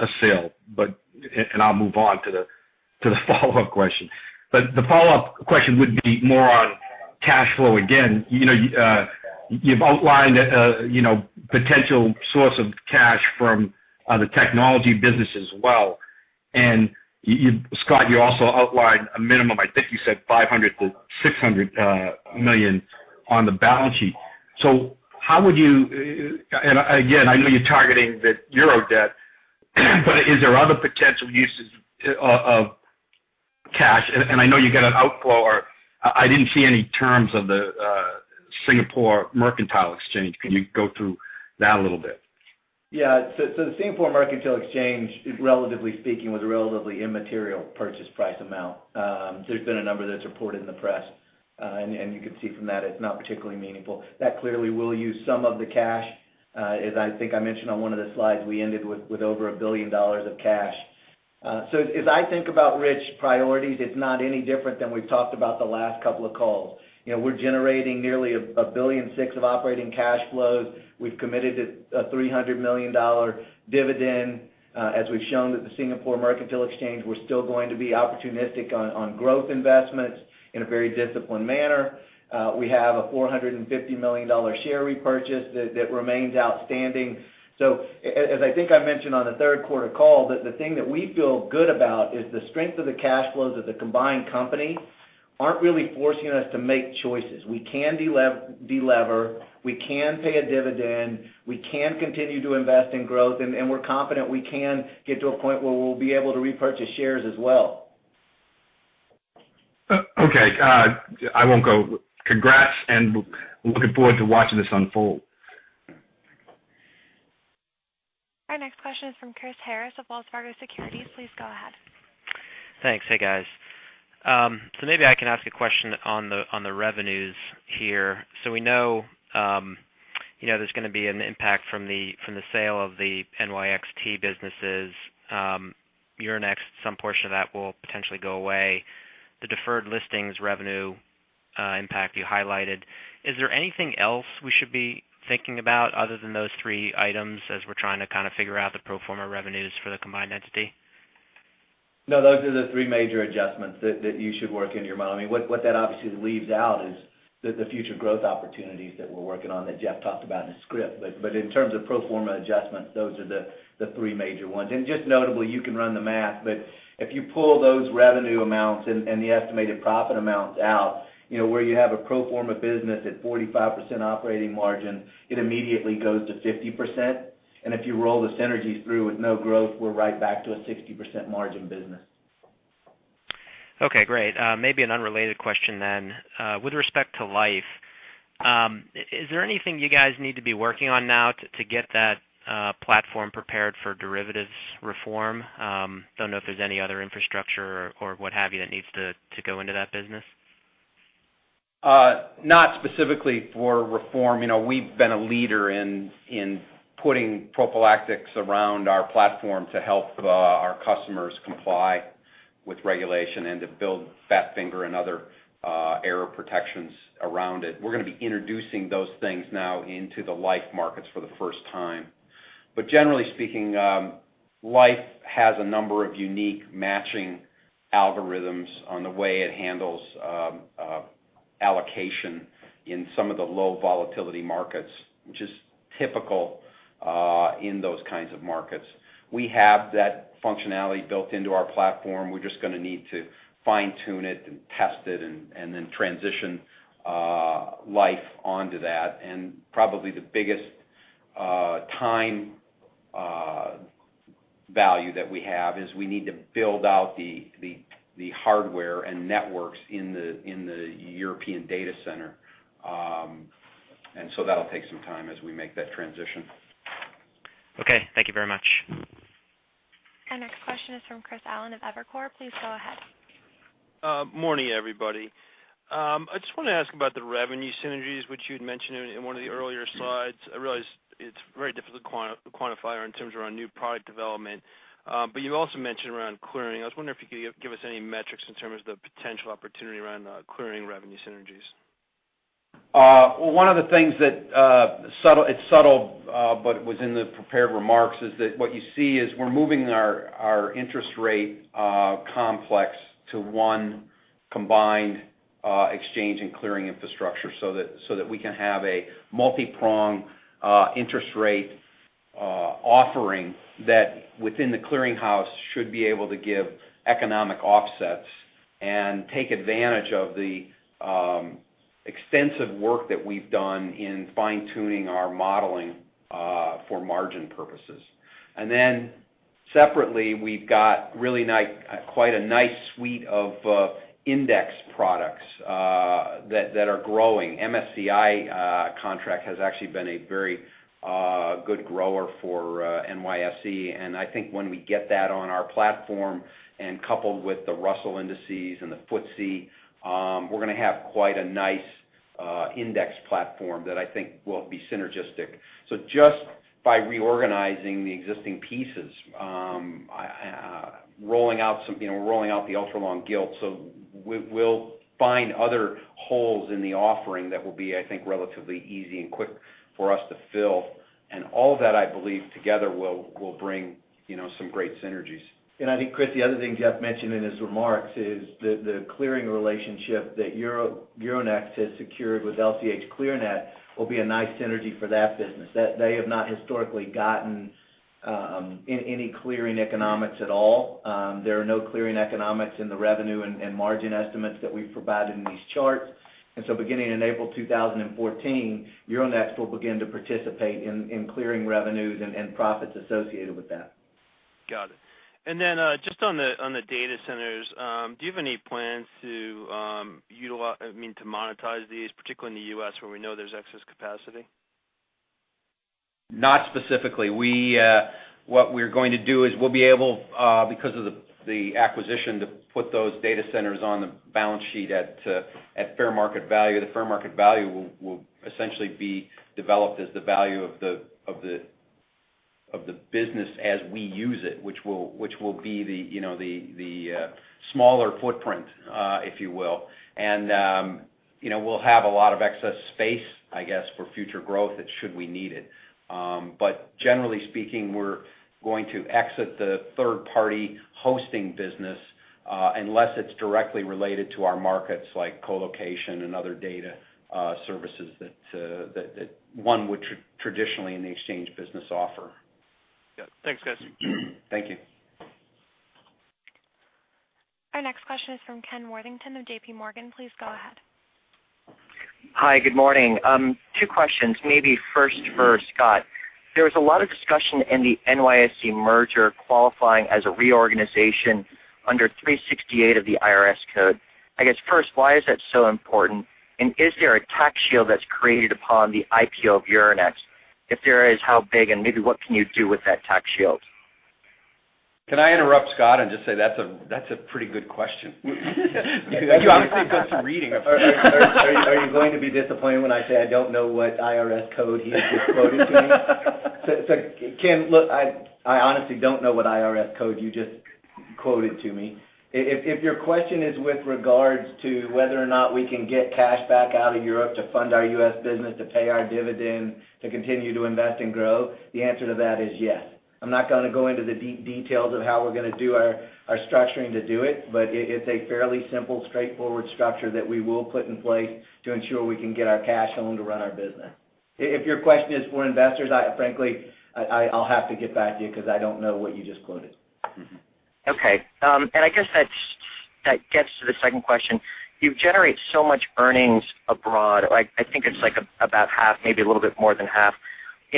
F: a sale, and I'll move on to the follow-up question. The follow-up question would be more on cash flow again. You've outlined potential source of cash from the technology business as well. Scott, you also outlined a minimum, I think you said $500 million-$600 million on the balance sheet. Again, I know you're targeting the Euro debt, but is there other potential uses of cash? I know you got an outflow or I didn't see any terms of the Singapore Mercantile Exchange. Can you go through that a little bit?
D: Yeah. The Singapore Mercantile Exchange, relatively speaking, was a relatively immaterial purchase price amount. There's been a number that's reported in the press, and you can see from that it's not particularly meaningful. That clearly will use some of the cash, as I think I mentioned on one of the slides, we ended with over $1 billion of cash. As I think about, Rich, priorities, it's not any different than we've talked about the last couple of calls. We're generating nearly $1.6 billion of operating cash flows. We've committed a $300 million dividend. As we've shown with the Singapore Mercantile Exchange, we're still going to be opportunistic on growth investments in a very disciplined manner. We have a $450 million share repurchase that remains outstanding. As I think I mentioned on the third quarter call, that the thing that we feel good about is the strength of the cash flows of the combined company aren't really forcing us to make choices. We can de-lever, we can pay a dividend, we can continue to invest in growth, and we're confident we can get to a point where we'll be able to repurchase shares as well.
F: Okay. I won't go. Congrats, looking forward to watching this unfold.
A: Our next question is from Chris Harris of Wells Fargo Securities. Please go ahead.
G: Thanks. Hey, guys. Maybe I can ask a question on the revenues here. We know there's going to be an impact from the sale of the NYXT businesses. Euronext, some portion of that will potentially go away. The deferred listings revenue impact you highlighted. Is there anything else we should be thinking about other than those three items as we're trying to figure out the pro forma revenues for the combined entity?
D: No, those are the three major adjustments that you should work in your model. What that obviously leaves out is the future growth opportunities that we're working on, that Jeff talked about in the script. In terms of pro forma adjustments, those are the three major ones. Just notably, you can run the math, but if you pull those revenue amounts and the estimated profit amounts out, where you have a pro forma business at 45% operating margin, it immediately goes to 50%. If you roll the synergies through with no growth, we're right back to a 60% margin business.
G: Okay, great. Maybe an unrelated question. With respect to Liffe, is there anything you guys need to be working on now to get that platform prepared for derivatives reform? Don't know if there's any other infrastructure or what have you, that needs to go into that business.
C: Not specifically for reform. We've been a leader in putting prophylactics around our platform to help our customers comply with regulation and to build fat finger and other error protections around it. We're going to be introducing those things now into the Liffe markets for the first time. Generally speaking, Liffe has a number of unique matching algorithms on the way it handles allocation in some of the low volatility markets, which is typical in those kinds of markets. We have that functionality built into our platform. We're just going to need to fine-tune it and test it and then transition Liffe onto that. Probably the biggest time value that we have is we need to build out the hardware and networks in the European data center. So that'll take some time as we make that transition.
G: Okay. Thank you very much.
A: Our next question is from Chris Allen of Evercore. Please go ahead.
H: Morning, everybody. I just want to ask about the revenue synergies which you'd mentioned in one of the earlier slides. I realize it's very difficult to quantify in terms around new product development. You also mentioned around clearing. I was wondering if you could give us any metrics in terms of the potential opportunity around clearing revenue synergies.
C: One of the things that, it's subtle, but it was in the prepared remarks, is that what you see is we're moving our interest rate complex to one combined exchange and clearing infrastructure so that we can have a multi-pronged interest rate offering that, within the clearing house, should be able to give economic offsets and take advantage of the extensive work that we've done in fine-tuning our modeling for margin purposes. Separately, we've got really quite a nice suite of index products that are growing. MSCI contract has actually been a very good grower for NYSE, and I think when we get that on our platform, coupled with the Russell Indices and the FTSE, we're going to have quite a nice index platform that I think will be synergistic. Just by reorganizing the existing pieces, rolling out the ultra long gilt. We'll find other holes in the offering that will be, I think, relatively easy and quick for us to fill. All that, I believe, together, will bring some great synergies.
D: I think, Chris, the other thing Jeff mentioned in his remarks is the clearing relationship that Euronext has secured with LCH.Clearnet will be a nice synergy for that business. They have not historically gotten any clearing economics at all. There are no clearing economics in the revenue and margin estimates that we've provided in these charts. Beginning in April 2014, Euronext will begin to participate in clearing revenues and profits associated with that.
H: Got it. Just on the data centers, do you have any plans to monetize these, particularly in the U.S., where we know there's excess capacity?
C: Not specifically. What we're going to do is we'll be able, because of the acquisition, to put those data centers on the balance sheet at fair market value. The fair market value will essentially be developed as the value of the business as we use it, which will be the smaller footprint, if you will. We'll have a lot of excess space, I guess, for future growth, should we need it. Generally speaking, we're going to exit the third-party hosting business, unless it's directly related to our markets like co-location and other data services that one would traditionally in the exchange business offer.
H: Got it. Thanks, guys.
C: Thank you.
A: Our next question is from Ken Worthington of JPMorgan. Please go ahead.
I: Hi, good morning. Two questions, maybe first for Scott. There was a lot of discussion in the NYSE merger qualifying as a reorganization under 368 of the IRS code. I guess first, why is that so important? Is there a tax shield that's created upon the IPO of Euronext? If there is, how big, and maybe what can you do with that tax shield?
C: Can I interrupt Scott and just say that's a pretty good question?
I: Thank you. I obviously done some reading.
D: Are you going to be disappointed when I say I don't know what IRS code he just quoted to me? Ken, look, I honestly don't know what IRS code you just quoted to me. If your question is with regards to whether or not we can get cash back out of Europe to fund our U.S. business, to pay our dividend, to continue to invest and grow, the answer to that is yes. I'm not going to go into the deep details of how we're going to do our structuring to do it, but it's a fairly simple, straightforward structure that we will put in place to ensure we can get our cash home to run our business. If your question is for investors, frankly, I'll have to get back to you because I don't know what you just quoted.
I: Okay. I guess that gets to the second question. You've generated so much earnings abroad. I think it's about half, maybe a little bit more than half.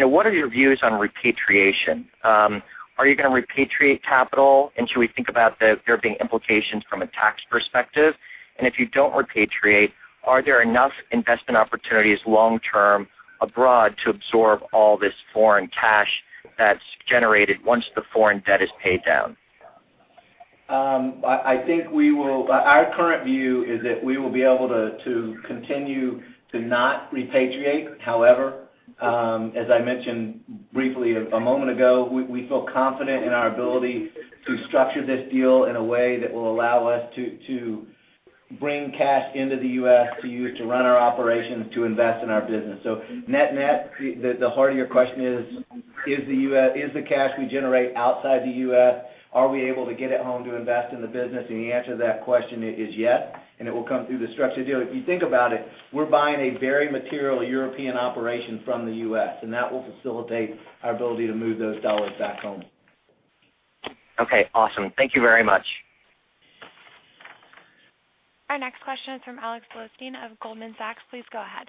I: What are your views on repatriation? Are you going to repatriate capital? Should we think about there being implications from a tax perspective? If you don't repatriate, are there enough investment opportunities long term abroad to absorb all this foreign cash that's generated once the foreign debt is paid down?
D: Our current view is that we will be able to continue to not repatriate. However, as I mentioned briefly a moment ago, we feel confident in our ability to structure this deal in a way that will allow us to bring cash into the U.S. to use to run our operations, to invest in our business. Net-net, the heart of your question is the cash we generate outside the U.S., are we able to get it home to invest in the business? The answer to that question is yes, and it will come through the structured deal. If you think about it, we're buying a very material European operation from the U.S., and that will facilitate our ability to move those dollars back home.
I: Okay, awesome. Thank you very much.
A: Our next question is from Alex Blostein of Goldman Sachs. Please go ahead.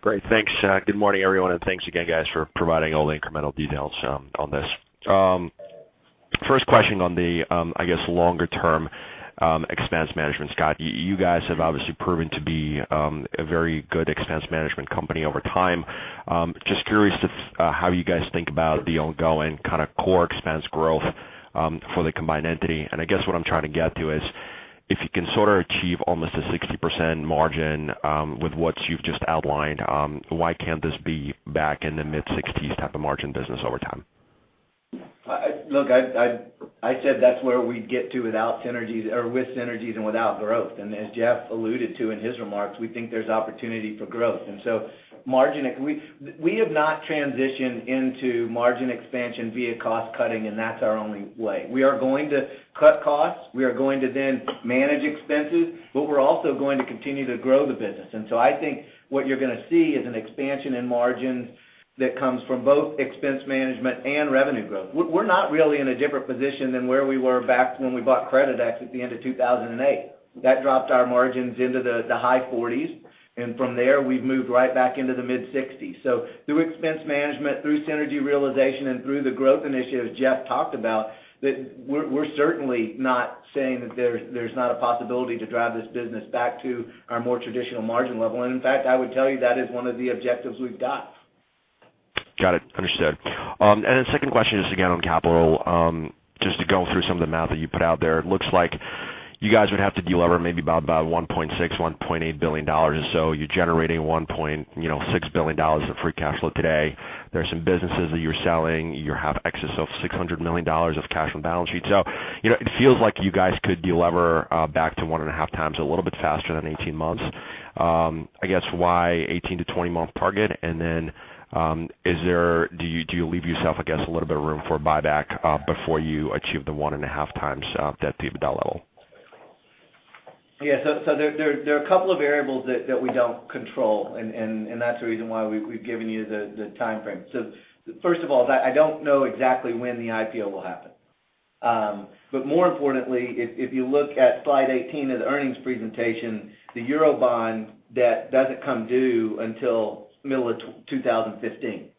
J: Great. Thanks. Good morning, everyone, and thanks again, guys, for providing all the incremental details on this. First question on the, I guess, longer term expense management. Scott, you guys have obviously proven to be a very good expense management company over time. Just curious to how you guys think about the ongoing kind of core expense growth for the combined entity. I guess what I'm trying to get to is, if you can sort of achieve almost a 60% margin with what you've just outlined, why can't this be back in the mid-60s type of margin business over time?
D: Look, I said that's where we'd get to with synergies and without growth. As Jeff alluded to in his remarks, we think there's opportunity for growth. So we have not transitioned into margin expansion via cost cutting, and that's our only way. We are going to cut costs. We are going to then manage expenses, but we're also going to continue to grow the business. So I think what you're going to see is an expansion in margins that comes from both expense management and revenue growth. We're not really in a different position than where we were back when we bought Creditex at the end of 2008. That dropped our margins into the high 40s, and from there, we've moved right back into the mid-60s. Through expense management, through synergy realization, and through the growth initiatives Jeff talked about, we're certainly not saying that there's not a possibility to drive this business back to our more traditional margin level. In fact, I would tell you that is one of the objectives we've got.
J: Got it. Understood. The second question is again on capital. Just to go through some of the math that you put out there, it looks like you guys would have to de-lever maybe about $1.6 billion-$1.8 billion or so. You're generating $1.6 billion of free cash flow today. There's some businesses that you're selling. You have excess of $600 million of cash on the balance sheet. It feels like you guys could de-lever back to 1.5 times a little bit faster than 18 months. I guess, why 18-20 month target? Then, do you leave yourself, I guess, a little bit of room for buyback before you achieve the 1.5 times debt to EBITDA level?
D: Yeah. There are a couple of variables that we don't control, and that's the reason why we've given you the timeframe. First of all, I don't know exactly when the IPO will happen. More importantly, if you look at slide 18 of the earnings presentation, the Eurobond debt doesn't come due until middle of 2015.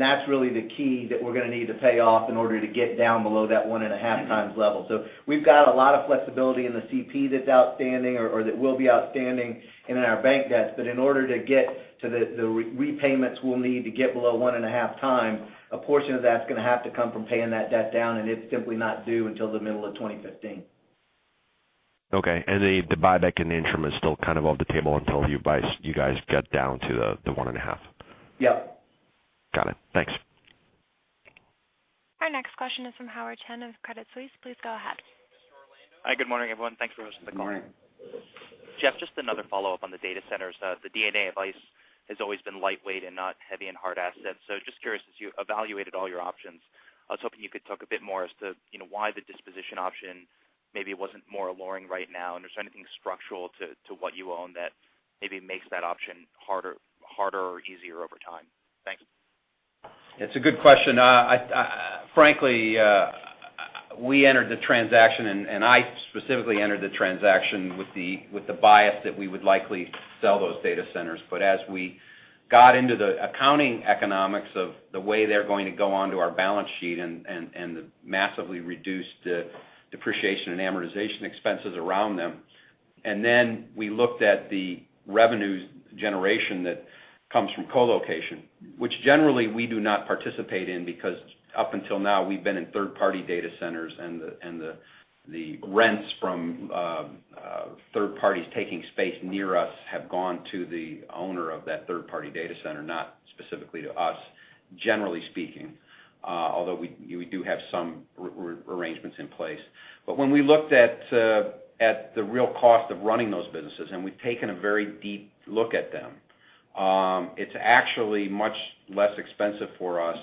D: That's really the key that we're going to need to pay off in order to get down below that 1.5 times level. We've got a lot of flexibility in the CP that's outstanding or that will be outstanding in our bank debts. In order to get to the repayments we'll need to get below 1.5 times, a portion of that's going to have to come from paying that debt down, and it's simply not due until the middle of 2015.
J: Okay. The buyback in the interim is still kind of off the table until you guys get down to the 1.5.
D: Yep.
J: Got it. Thanks.
A: Our next question is from Howard Chen of Credit Suisse. Please go ahead.
K: Hi, good morning, everyone. Thanks for hosting the call.
D: Good morning.
K: Jeff, just another follow-up on the data centers. The D&A of ICE has always been lightweight and not heavy and hard assets. Just curious, as you evaluated all your options, I was hoping you could talk a bit more as to why the disposition option maybe wasn't more alluring right now, and there's anything structural to what you own that maybe makes that option harder or easier over time. Thanks.
C: It's a good question. Frankly, we entered the transaction, and I specifically entered the transaction with the bias that we would likely sell those data centers. As we got into the accounting economics of the way they're going to go onto our balance sheet and the massively reduced depreciation and amortization expenses around them. We looked at the revenue generation that comes from colocation, which generally we do not participate in because up until now, we've been in third-party data centers and the rents from Third parties taking space near us have gone to the owner of that third-party data center, not specifically to us, generally speaking, although we do have some arrangements in place. When we looked at the real cost of running those businesses, and we've taken a very deep look at them, it's actually much less expensive for us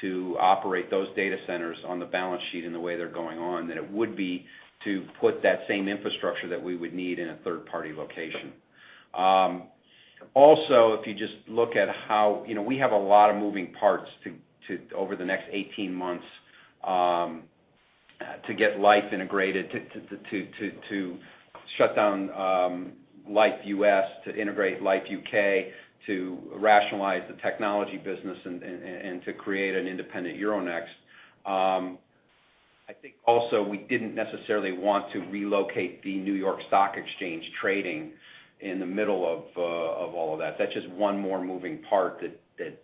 C: to operate those data centers on the balance sheet in the way they're going on than it would be to put that same infrastructure that we would need in a third-party location. We have a lot of moving parts over the next 18 months to get Liffe integrated, to shut down Liffe U.S., to integrate Liffe UK, to rationalize the technology business, and to create an independent Euronext. We didn't necessarily want to relocate the New York Stock Exchange trading in the middle of all of that. That's just one more moving part that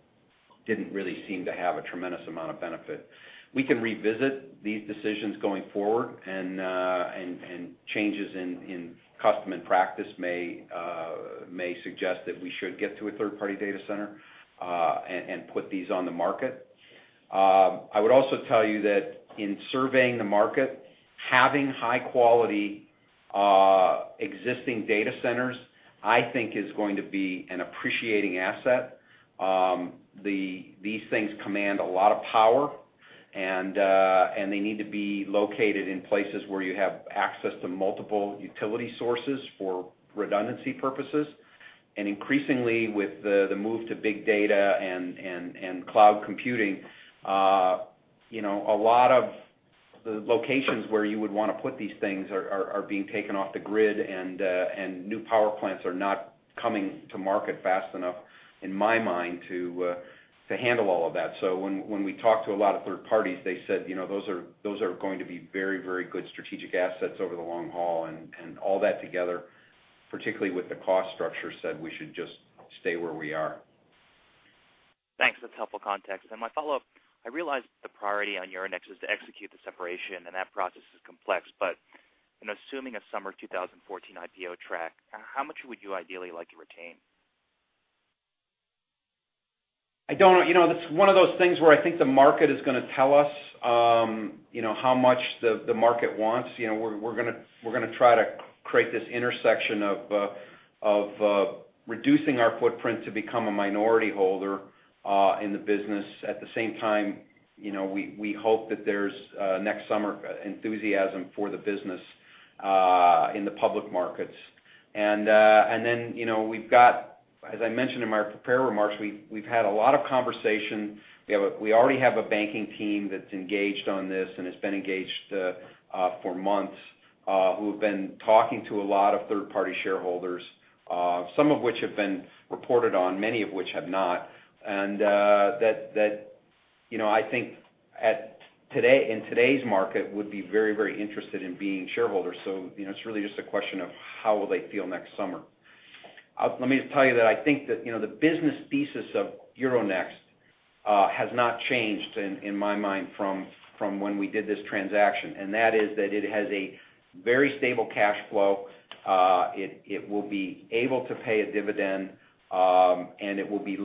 C: didn't really seem to have a tremendous amount of benefit. We can revisit these decisions going forward, and changes in custom and practice may suggest that we should get to a third-party data center, and put these on the market. I would also tell you that in surveying the market, having high-quality existing data centers, I think is going to be an appreciating asset. These things command a lot of power, and they need to be located in places where you have access to multiple utility sources for redundancy purposes. Increasingly, with the move to big data and cloud computing, a lot of the locations where you would want to put these things are being taken off the grid, and new power plants are not coming to market fast enough, in my mind, to handle all of that. When we talk to a lot of third parties, they said, "Those are going to be very, very good strategic assets over the long haul." All that together, particularly with the cost structure, said we should just stay where we are.
K: Thanks. That's helpful context. My follow-up, I realize the priority on Euronext is to execute the separation, and that process is complex, but assuming a summer 2014 IPO track, how much would you ideally like to retain?
C: It's one of those things where I think the market is going to tell us how much the market wants. We're going to try to create this intersection of reducing our footprint to become a minority holder in the business. At the same time, we hope that there's, next summer, enthusiasm for the business in the public markets. Then we've got, as I mentioned in my prepared remarks, we've had a lot of conversation. We already have a banking team that's engaged on this and has been engaged for months, who have been talking to a lot of third-party shareholders, some of which have been reported on, many of which have not. That, I think, in today's market, would be very interested in being shareholders. It's really just a question of how will they feel next summer. Let me just tell you that I think that the business thesis of Euronext has not changed in my mind from when we did this transaction, and that is that it has a very stable cash flow. It will be able to pay a dividend, and it will be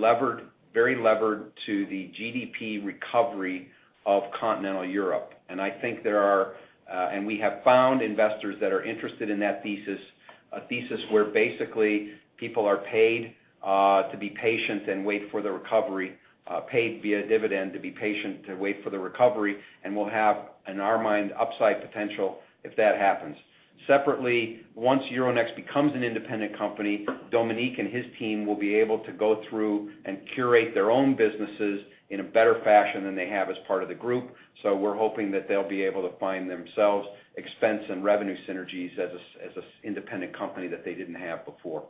C: very levered to the GDP recovery of continental Europe. I think we have found investors that are interested in that thesis, a thesis where basically people are paid to be patient and wait for the recovery, paid via dividend to be patient to wait for the recovery. We'll have, in our mind, upside potential if that happens. Separately, once Euronext becomes an independent company, Dominique and his team will be able to go through and curate their own businesses in a better fashion than they have as part of the group. We're hoping that they'll be able to find themselves expense and revenue synergies as an independent company that they didn't have before.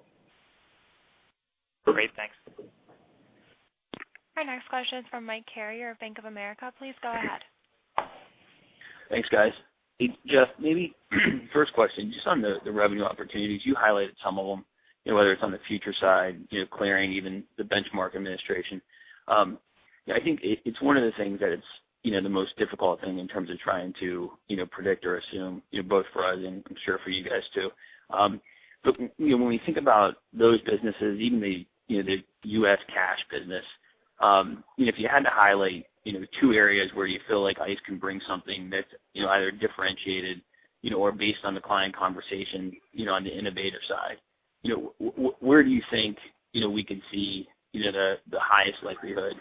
K: Great, thanks.
A: Our next question is from Michael Carrier of Bank of America. Please go ahead.
L: Thanks, guys. Jeff, maybe first question, just on the revenue opportunities. You highlighted some of them, whether it's on the future side, clearing, even the benchmark administration. I think it's one of the things that it's the most difficult thing in terms of trying to predict or assume, both for us and I'm sure for you guys, too. When we think about those businesses, even the U.S. cash business, if you had to highlight two areas where you feel like ICE can bring something that's either differentiated or based on the client conversation, on the innovator side, where do you think we can see the highest likelihood,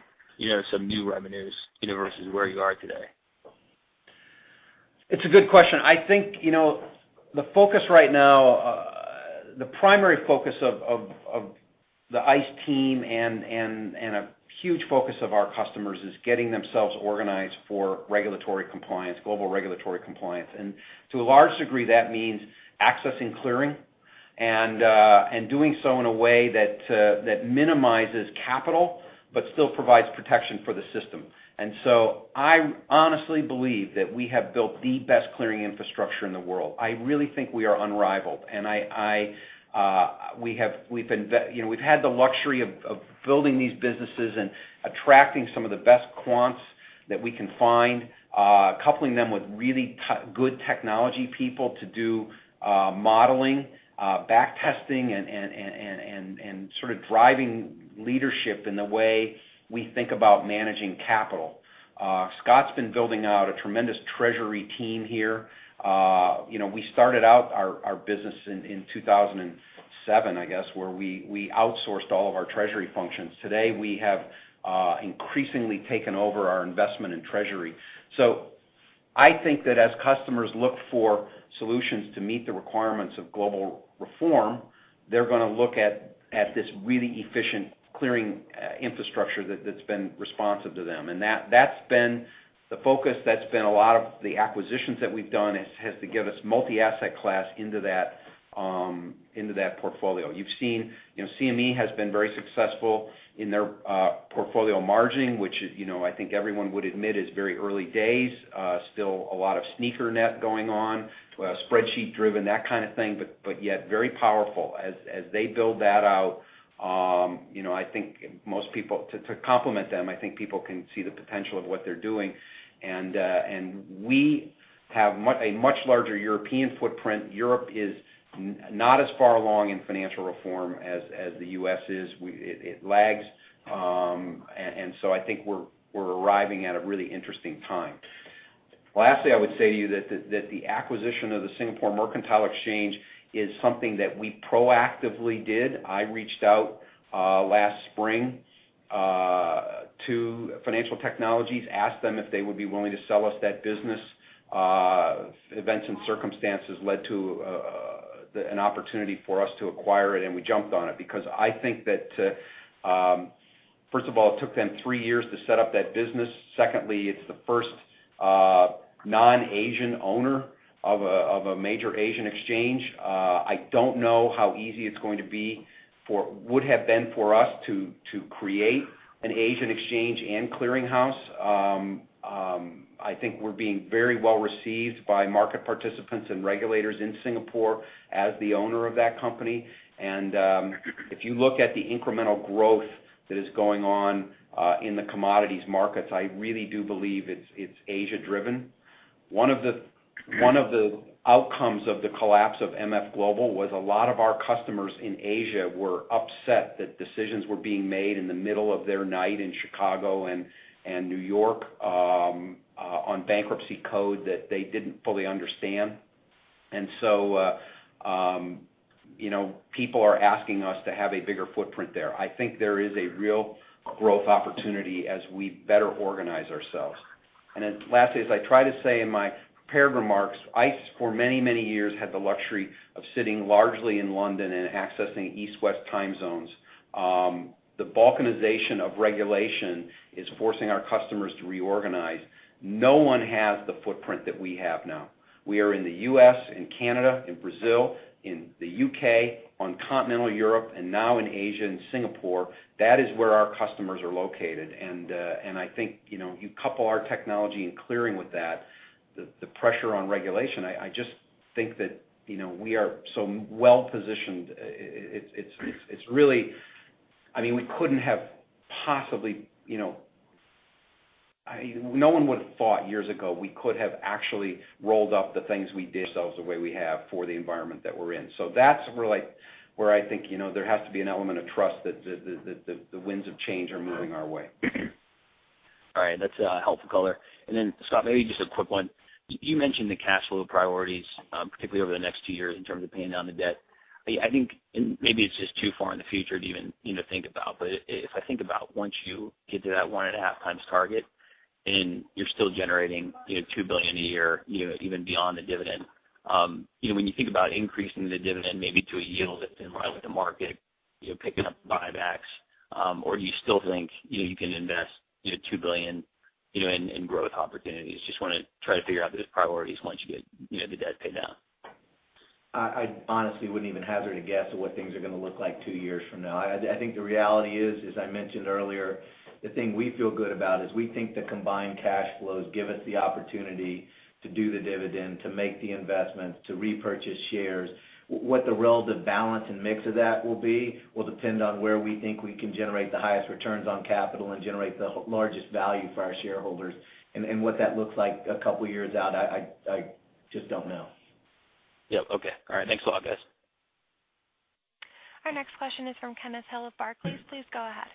L: some new revenues versus where you are today?
C: It's a good question. I think the focus right now, the primary focus of the ICE team and a huge focus of our customers is getting themselves organized for regulatory compliance, global regulatory compliance. To a large degree, that means accessing clearing and doing so in a way that minimizes capital but still provides protection for the system. I honestly believe that we have built the best clearing infrastructure in the world. I really think we are unrivaled, and we've had the luxury of building these businesses and attracting some of the best quants that we can find, coupling them with really good technology people to do modeling, back testing, and driving leadership in the way we think about managing capital. Scott's been building out a tremendous treasury team here. We started out our business in 2007, I guess, where we outsourced all of our treasury functions. Today, we have increasingly taken over our investment in treasury. I think that as customers look for solutions to meet the requirements of global reform, they're going to look at this really efficient clearing infrastructure that's been responsive to them. That's been the focus, that's been a lot of the acquisitions that we've done, has to give us multi-asset class into that portfolio. You've seen CME has been very successful in their portfolio margin, which, I think everyone would admit is very early days. Still a lot of sneaker net going on, spreadsheet-driven, that kind of thing, but yet very powerful. As they build that out, to compliment them, I think people can see the potential of what they're doing. We have a much larger European footprint. Europe is not as far along in financial reform as the U.S. is. It lags. I think we're arriving at a really interesting time. Lastly, I would say to you that the acquisition of the Singapore Mercantile Exchange is something that we proactively did. I reached out last spring to Financial Technologies, asked them if they would be willing to sell us that business. Events and circumstances led to an opportunity for us to acquire it, and we jumped on it because I think that, first of all, it took them 3 years to set up that business. Secondly, it's the first non-Asian owner of a major Asian exchange. I don't know how easy it would have been for us to create an Asian exchange and clearing house. I think we're being very well received by market participants and regulators in Singapore as the owner of that company. If you look at the incremental growth that is going on in the commodities markets, I really do believe it's Asia-driven. One of the outcomes of the collapse of MF Global was a lot of our customers in Asia were upset that decisions were being made in the middle of their night in Chicago and New York on bankruptcy code that they didn't fully understand. People are asking us to have a bigger footprint there. I think there is a real growth opportunity as we better organize ourselves. Lastly, as I try to say in my prepared remarks, ICE for many, many years had the luxury of sitting largely in London and accessing East-West time zones. The balkanization of regulation is forcing our customers to reorganize. No one has the footprint that we have now. We are in the U.S., in Canada, in Brazil, in the U.K., on continental Europe, and now in Asia and Singapore. That is where our customers are located. I think, you couple our technology and clearing with that, the pressure on regulation, I just think that we are so well-positioned. No one would've thought years ago we could have actually rolled up the things we did ourselves the way we have for the environment that we're in. That's where I think there has to be an element of trust that the winds of change are moving our way.
L: All right. That's a helpful color. Scott, maybe just a quick one. You mentioned the cash flow priorities, particularly over the next two years in terms of paying down the debt. Maybe it's just too far in the future to even think about, but if I think about once you get to that one and a half times target, and you're still generating $2 billion a year, even beyond the dividend. When you think about increasing the dividend maybe to a yield that's in line with the market, picking up buybacks, or do you still think you can invest $2 billion in growth opportunities? Just want to try to figure out those priorities once you get the debt paid down.
D: I honestly wouldn't even hazard a guess at what things are going to look like two years from now. I think the reality is, as I mentioned earlier, the thing we feel good about is we think the combined cash flows give us the opportunity to do the dividend, to make the investments, to repurchase shares. What the relative balance and mix of that will be, will depend on where we think we can generate the highest returns on capital and generate the largest value for our shareholders. What that looks like a couple of years out, I just don't know.
L: Yep. Okay. All right. Thanks a lot, guys.
A: Our next question is from Kenneth Hill of Barclays. Please go ahead.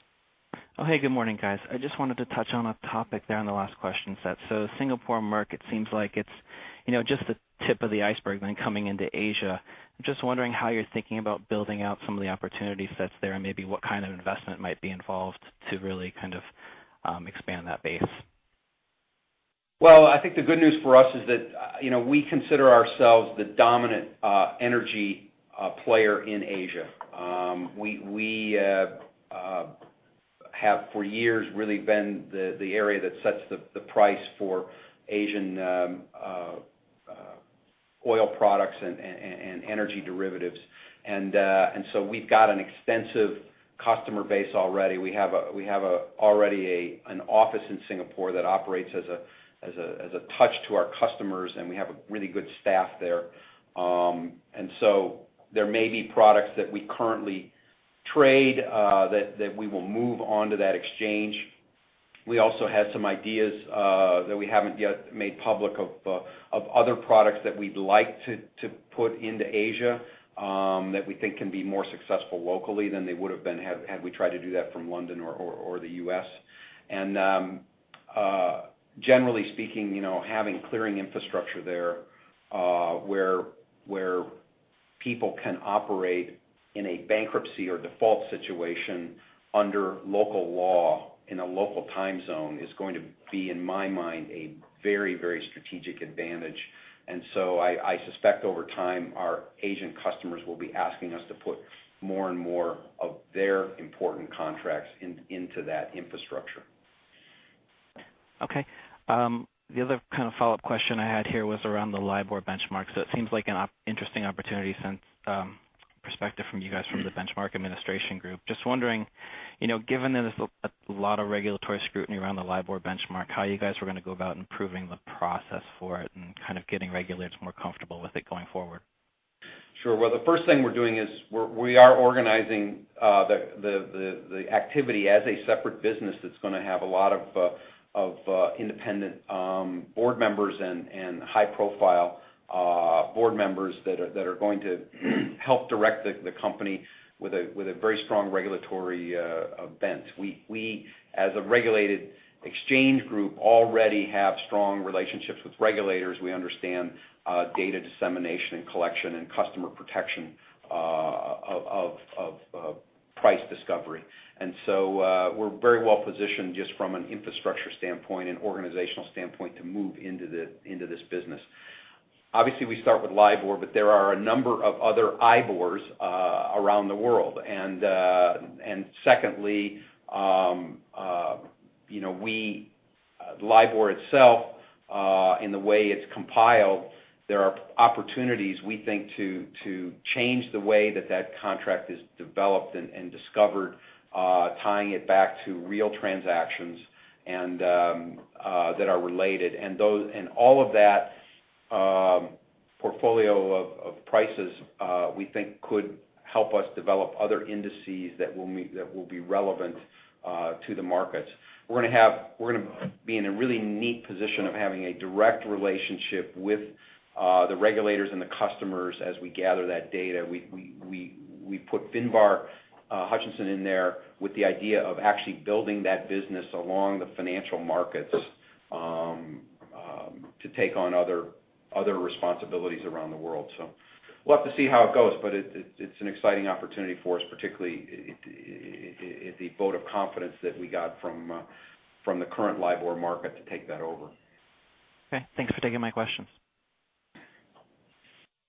M: Hey, good morning, guys. I just wanted to touch on a topic there on the last question set. Singapore Merc it seems like it's just the tip of the iceberg when coming into Asia. I'm just wondering how you're thinking about building out some of the opportunity sets there, and maybe what kind of investment might be involved to really expand that base.
C: I think the good news for us is that we consider ourselves the dominant energy player in Asia. We have for years really been the area that sets the price for Asian oil products and energy derivatives. We've got an extensive customer base already. We have already an office in Singapore that operates as a touch to our customers, and we have a really good staff there. There may be products that we currently trade that we will move on to that exchange. We also had some ideas that we haven't yet made public of other products that we'd like to put into Asia, that we think can be more successful locally than they would've been had we tried to do that from London or the U.S. Generally speaking, having clearing infrastructure there, where people can operate in a bankruptcy or default situation under local law in a local time zone is going to be in my mind a very strategic advantage. I suspect over time, our Asian customers will be asking us to put more and more of their important contracts into that infrastructure.
M: Okay. The other follow-up question I had here was around the LIBOR benchmark. It seems like an interesting opportunity since perspective from you guys from the benchmark administration group. Just wondering given that there's a lot of regulatory scrutiny around the LIBOR benchmark, how you guys were going to go about improving the process for it and getting regulators more comfortable with it going forward.
C: Sure. Well, the first thing we're doing is we are organizing the activity as a separate business that's going to have a lot of independent board members and high-profile board members that are going to help direct the company with a very strong regulatory bent. We, as a regulated exchange group, already have strong relationships with regulators. We understand data dissemination and collection and customer protection of price discovery. So, we're very well-positioned just from an infrastructure standpoint and organizational standpoint to move into this business. Obviously, we start with LIBOR, but there are a number of other IBORs around the world. Secondly, LIBOR itself, in the way it's compiled, there are opportunities, we think, to change the way that that contract is developed and discovered, tying it back to real transactions that are related. All of that portfolio of prices, we think could help us develop other indices that will be relevant to the markets. We're going to be in a really neat position of having a direct relationship with the regulators and the customers as we gather that data. We put Finbarr Hutcheson in there with the idea of actually building that business along the financial markets, to take on other responsibilities around the world. We'll have to see how it goes, but it's an exciting opportunity for us, particularly the vote of confidence that we got from the current LIBOR market to take that over.
M: Okay. Thanks for taking my questions.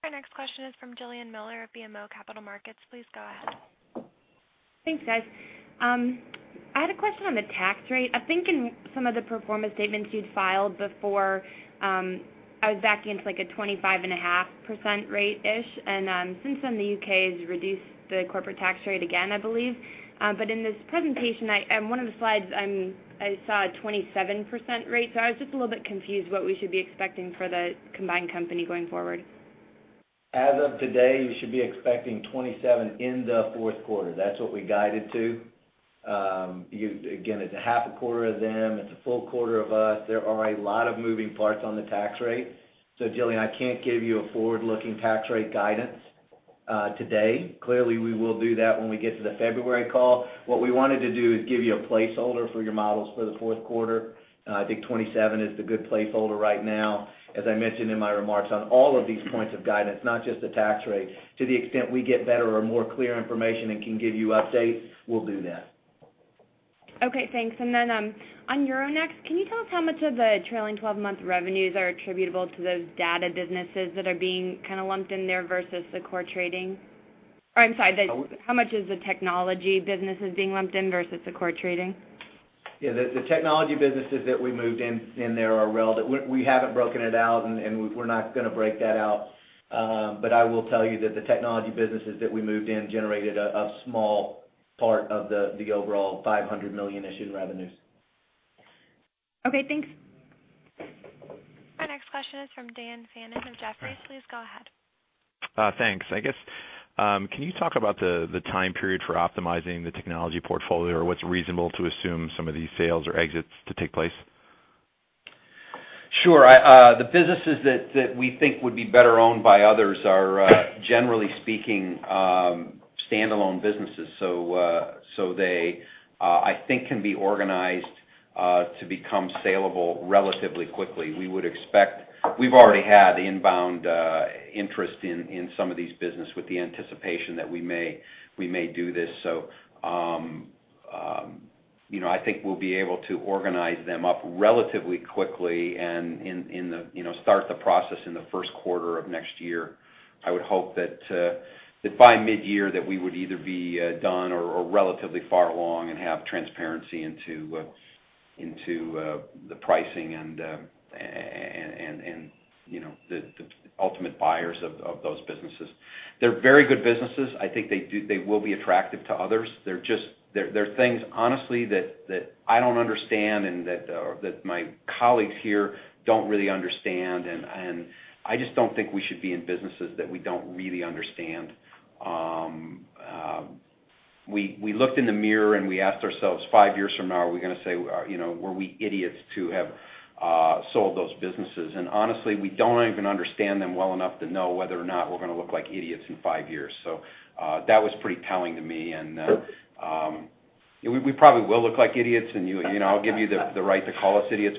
A: Our next question is from Jillian Miller of BMO Capital Markets. Please go ahead.
N: Thanks, guys. I had a question on the tax rate. I think in some of the performance statements you'd filed before, I was backing into like a 25.5% rate-ish. Since then the U.K. has reduced the corporate tax rate again, I believe. In this presentation, in one of the slides, I saw a 27% rate. I was just a little bit confused what we should be expecting for the combined company going forward.
D: As of today, you should be expecting 27% in the fourth quarter. That's what we guided to. Again, it's a half a quarter of them. It's a full quarter of us. There are a lot of moving parts on the tax rate. Jillian, I can't give you a forward-looking tax rate guidance today. Clearly, we will do that when we get to the February call. What we wanted to do is give you a placeholder for your models for the fourth quarter. I think 27% is the good placeholder right now. As I mentioned in my remarks on all of these points of guidance, not just the tax rate, to the extent we get better or more clear information and can give you updates, we'll do that.
N: Okay, thanks. On Euronext, can you tell us how much of the trailing 12-month revenues are attributable to those data businesses that are being lumped in there versus the core trading? I'm sorry, how much is the technology businesses being lumped in versus the core trading?
D: Yeah. The technology businesses that we moved in there are relevant. We haven't broken it out, and we're not going to break that out. I will tell you that the technology businesses that we moved in generated a small part of the overall $500 million issue in revenues.
N: Okay, thanks.
A: Our next question is from Daniel Fannon of Jefferies. Please go ahead.
O: Thanks. I guess, can you talk about the time period for optimizing the technology portfolio, or what's reasonable to assume some of these sales or exits to take place?
C: Sure. The businesses that we think would be better owned by others are, generally speaking, standalone businesses. They, I think, can be organized to become salable relatively quickly. We've already had inbound interest in some of these business with the anticipation that we may do this. I think we'll be able to organize them up relatively quickly and start the process in the first quarter of next year. I would hope that by mid-year, that we would either be done or relatively far along and have transparency into the pricing and the ultimate buyers of those businesses. They're very good businesses. I think they will be attractive to others. They're things, honestly, that I don't understand and that my colleagues here don't really understand, and I just don't think we should be in businesses that we don't really understand. We looked in the mirror, we asked ourselves, 5 years from now, are we going to say, "Were we idiots to have sold those businesses?" Honestly, we don't even understand them well enough to know whether or not we're going to look like idiots in 5 years. That was pretty telling to me, we probably will look like idiots, I'll give you the right to call us idiots,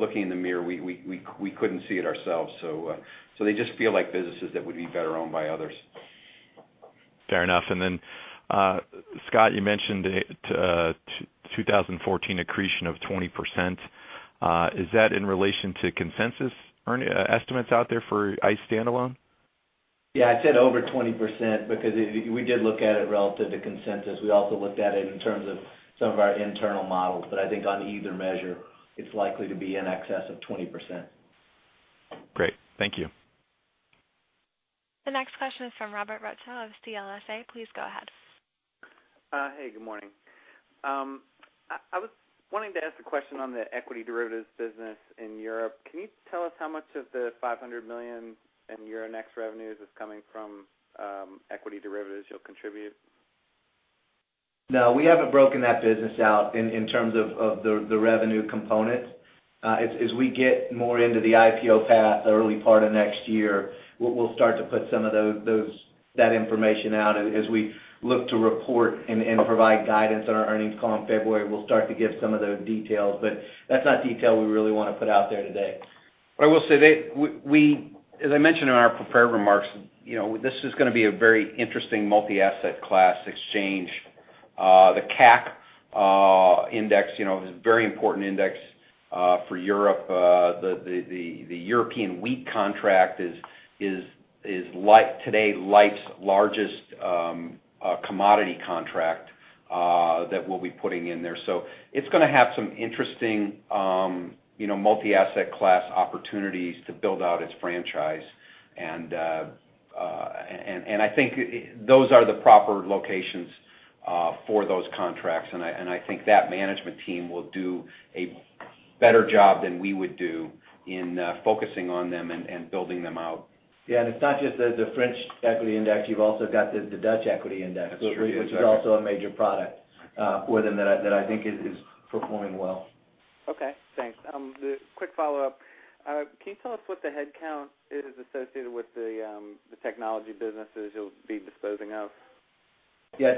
C: looking in the mirror, we couldn't see it ourselves. They just feel like businesses that would be better owned by others.
O: Fair enough. Scott, you mentioned 2014 accretion of 20%. Is that in relation to consensus estimates out there for ICE standalone?
D: I said over 20%, because we did look at it relative to consensus. We also looked at it in terms of some of our internal models. I think on either measure, it's likely to be in excess of 20%.
O: Great. Thank you.
A: The next question is from Robert Rutschow of CLSA. Please go ahead.
P: Hey, good morning. I was wanting to ask a question on the equity derivatives business in Europe. Can you tell us how much of the $500 million in Euronext revenues is coming from equity derivatives you'll contribute?
D: We haven't broken that business out in terms of the revenue component. As we get more into the IPO path, the early part of next year, we'll start to put some of that information out as we look to report and provide guidance on our earnings call in February. We'll start to give some of those details, but that's not detail we really want to put out there today.
C: I will say, as I mentioned in our prepared remarks, this is going to be a very interesting multi-asset class exchange. The CAC 40, very important index for Europe. The European wheat contract is today, Liffe's largest commodity contract that we'll be putting in there. It's going to have some interesting multi-asset class opportunities to build out its franchise. I think those are the proper locations for those contracts, and I think that management team will do a better job than we would do in focusing on them and building them out.
D: Yeah. It's not just the French equity index, you've also got the Dutch equity index.
C: Absolutely.
D: Which is also a major product within that, I think is performing well.
P: Okay, thanks. Quick follow-up. Can you tell us what the headcount is associated with the technology businesses you'll be disposing of?
D: Yeah.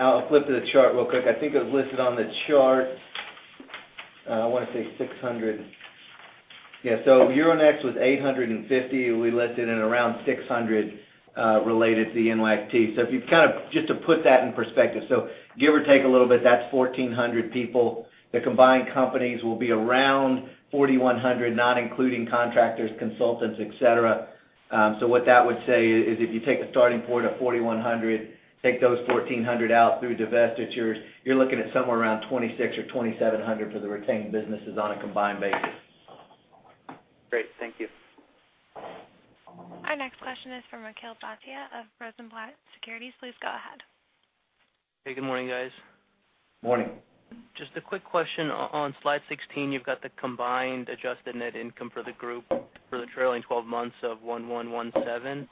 D: I'll flip to the chart real quick. I think it was listed on the chart. I want to say 600. Yeah. Euronext was 850. We listed at around 600 related to NYCT. Just to put that in perspective, give or take a little bit, that's 1,400 people. The combined companies will be around 4,100, not including contractors, consultants, et cetera. What that would say is, if you take a starting point of 4,100, take those 1,400 out through divestitures, you're looking at somewhere around 2,600 or 2,700 for the retained businesses on a combined basis.
P: Great. Thank you.
A: Our next question is from Akhil Bhatia of Rosenblatt Securities. Please go ahead.
Q: Hey, good morning, guys.
D: Morning.
Q: Just a quick question. On slide 16, you've got the combined adjusted net income for the group for the trailing 12 months of $1,117.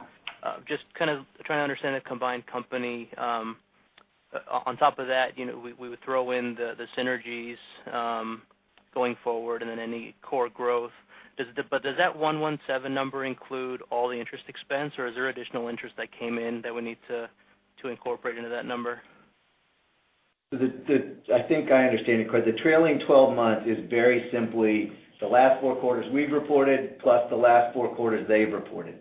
Q: Just kind of trying to understand the combined company. On top of that, we would throw in the synergies, going forward and then any core growth. Does that $1,117 number include all the interest expense, or is there additional interest that came in that we need to incorporate into that number?
D: I think I understand your question. The trailing 12 months is very simply the last four quarters we've reported, plus the last four quarters they've reported.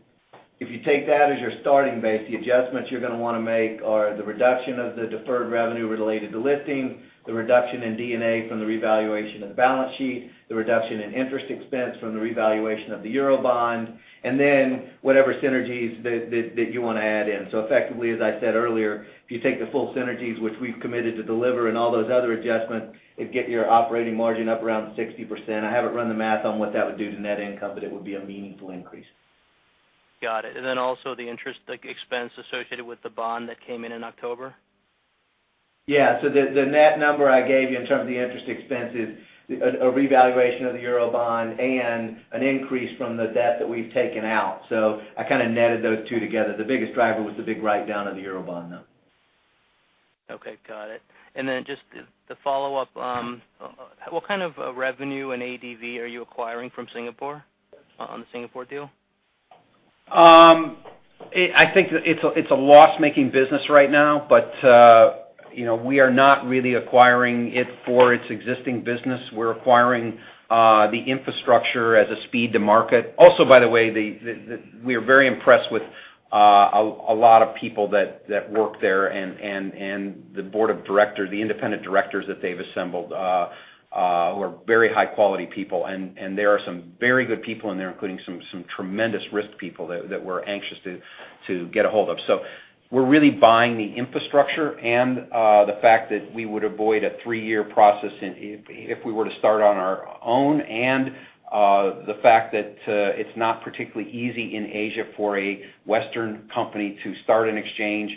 D: If you take that as your starting base, the adjustments you're going to want to make are the reduction of the deferred revenue related to listing, the reduction in D&A from the revaluation of the balance sheet, the reduction in interest expense from the revaluation of the Eurobond, and then whatever synergies that you want to add in. Effectively, as I said earlier, if you take the full synergies which we've committed to deliver and all those other adjustments, it'd get your operating margin up around 60%. I haven't run the math on what that would do to net income, but it would be a meaningful increase.
Q: Got it. Then also the interest expense associated with the bond that came in in October?
D: Yeah. The net number I gave you in terms of the interest expense is a revaluation of the Eurobond and an increase from the debt that we've taken out. I kind of netted those two together. The biggest driver was the big write-down of the Eurobond, though.
Q: Okay, got it. Then just to follow up, what kind of revenue and ADV are you acquiring from Singapore on the Singapore deal?
C: I think it's a loss-making business right now, we are not really acquiring it for its existing business. We're acquiring the infrastructure as a speed to market. By the way, we are very impressed with a lot of people that work there, the board of directors, the independent directors that they've assembled, who are very high-quality people. There are some very good people in there, including some tremendous risk people that we're anxious to get a hold of. We're really buying the infrastructure and the fact that we would avoid a three-year process if we were to start on our own, and the fact that it's not particularly easy in Asia for a Western company to start an exchange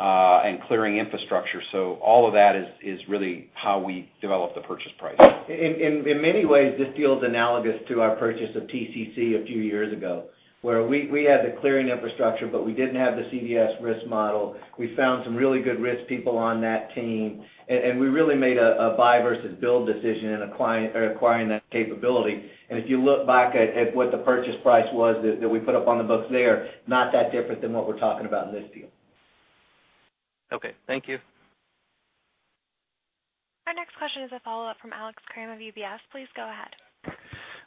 C: and clearing infrastructure. All of that is really how we develop the purchase price.
D: In many ways, this deal is analogous to our purchase of TCC a few years ago, where we had the clearing infrastructure, we didn't have the CDS risk model. We found some really good risk people on that team, and we really made a buy versus build decision in acquiring that capability. If you look back at what the purchase price was that we put up on the books there, not that different than what we're talking about in this deal.
Q: Okay. Thank you.
A: Our next question is a follow-up from Alex Kramm of UBS. Please go ahead.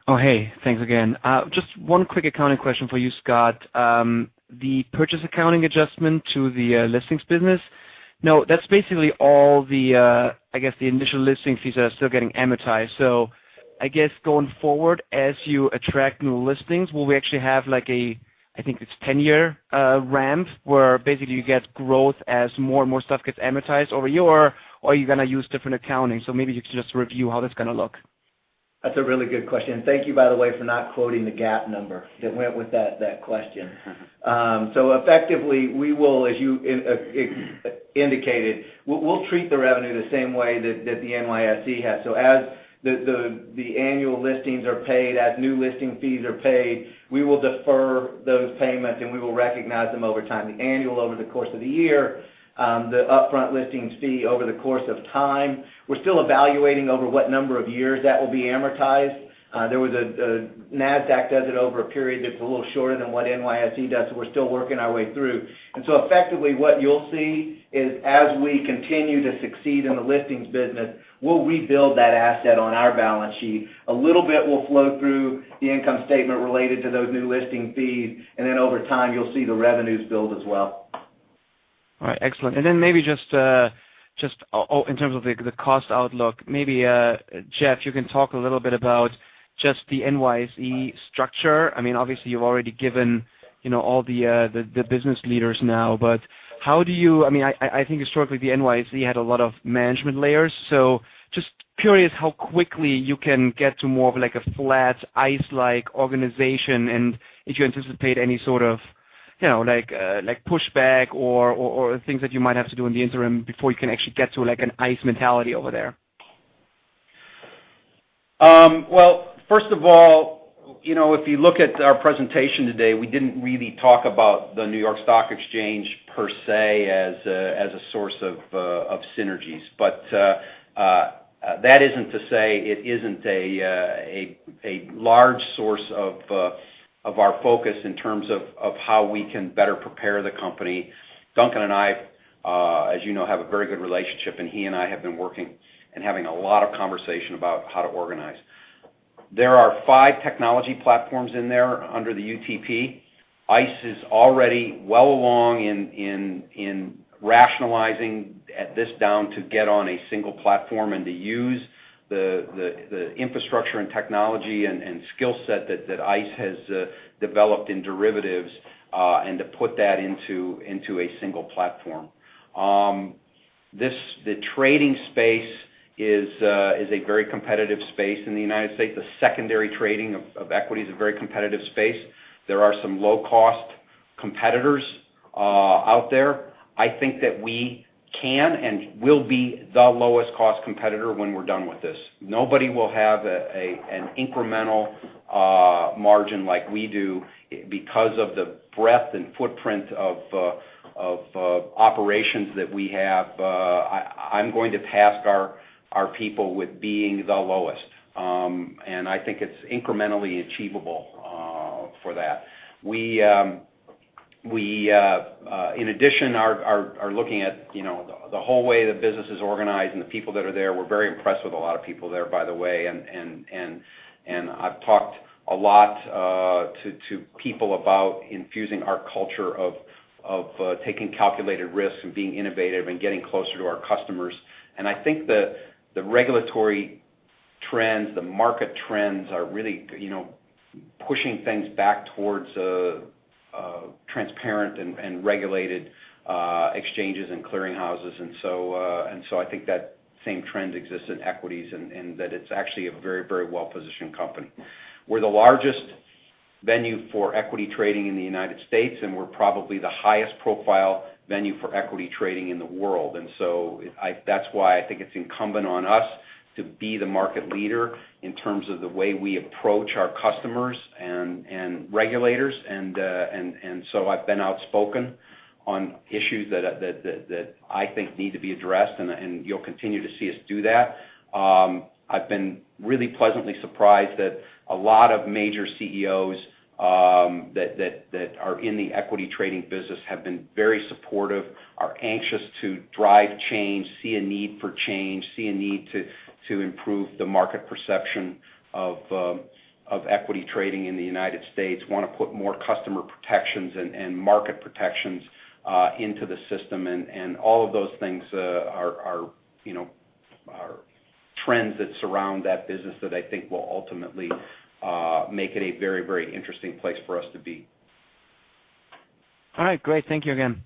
E: Oh, hey. Thanks again. Just one quick accounting question for you, Scott. The purchase accounting adjustment to the listings business, now, that's basically all the initial listing fees that are still getting amortized. I guess, going forward, as you attract new listings, will we actually have a, I think it's 10-year ramp, where basically you get growth as more and more stuff gets amortized over a year? Are you going to use different accounting? Maybe you could just review how that's going to look.
D: That's a really good question. Thank you, by the way, for not quoting the GAAP number that went with that question. Effectively, we will, as you indicated, we'll treat the revenue the same way that the NYSE has. As the annual listings are paid, as new listing fees are paid, we will defer those payments, and we will recognize them over time. The annual over the course of the year, the upfront listing fee over the course of time. We're still evaluating over what number of years that will be amortized. NASDAQ does it over a period that's a little shorter than what NYSE does. We're still working our way through. Effectively, what you'll see is as we continue to succeed in the listings business, we'll rebuild that asset on our balance sheet. A little bit will flow through the income statement related to those new listing fees, and then over time, you'll see the revenues build as well.
E: All right. Excellent. Maybe just in terms of the cost outlook, maybe, Jeff, you can talk a little bit about just the NYSE structure. Obviously, you've already given all the business leaders now, but I think historically the NYSE had a lot of management layers. Just curious how quickly you can get to more of a flat ICE-like organization, and if you anticipate any sort of pushback or things that you might have to do in the interim before you can actually get to an ICE mentality over there.
C: Well, first of all, if you look at our presentation today, we didn't really talk about the New York Stock Exchange per se, as a source of synergies. That isn't to say it isn't a large source of our focus in terms of how we can better prepare the company. Duncan and I, as you know, have a very good relationship, and he and I have been working and having a lot of conversation about how to organize. There are five technology platforms in there under the UTP. ICE is already well along in rationalizing this down to get on a single platform and to use the infrastructure and technology and skill set that ICE has developed in derivatives, and to put that into a single platform. The trading space is a very competitive space in the U.S. The secondary trading of equities is a very competitive space. There are some low-cost competitors out there. I think that we can and will be the lowest-cost competitor when we're done with this. Nobody will have an incremental margin like we do because of the breadth and footprint of operations that we have. I'm going to task our people with being the lowest. I think it's incrementally achievable for that. We, in addition, are looking at the whole way the business is organized and the people that are there. We're very impressed with a lot of people there, by the way, and I've talked a lot to people about infusing our culture of taking calculated risks and being innovative and getting closer to our customers. I think the regulatory trends, the market trends are really pushing things back towards transparent and regulated exchanges and clearing houses. I think that same trend exists in equities, and that it's actually a very well-positioned company. We're the largest venue for equity trading in the U.S., and we're probably the highest profile venue for equity trading in the world. That's why I think it's incumbent on us to be the market leader in terms of the way we approach our customers and regulators. I've been outspoken on issues that I think need to be addressed, and you'll continue to see us do that. I've been really pleasantly surprised that a lot of major CEOs that are in the equity trading business have been very supportive, are anxious to drive change, see a need for change, see a need to improve the market perception of equity trading in the U.S., want to put more customer protections and market protections into the system. All of those things are trends that surround that business that I think will ultimately make it a very interesting place for us to be.
E: All right. Great. Thank you again.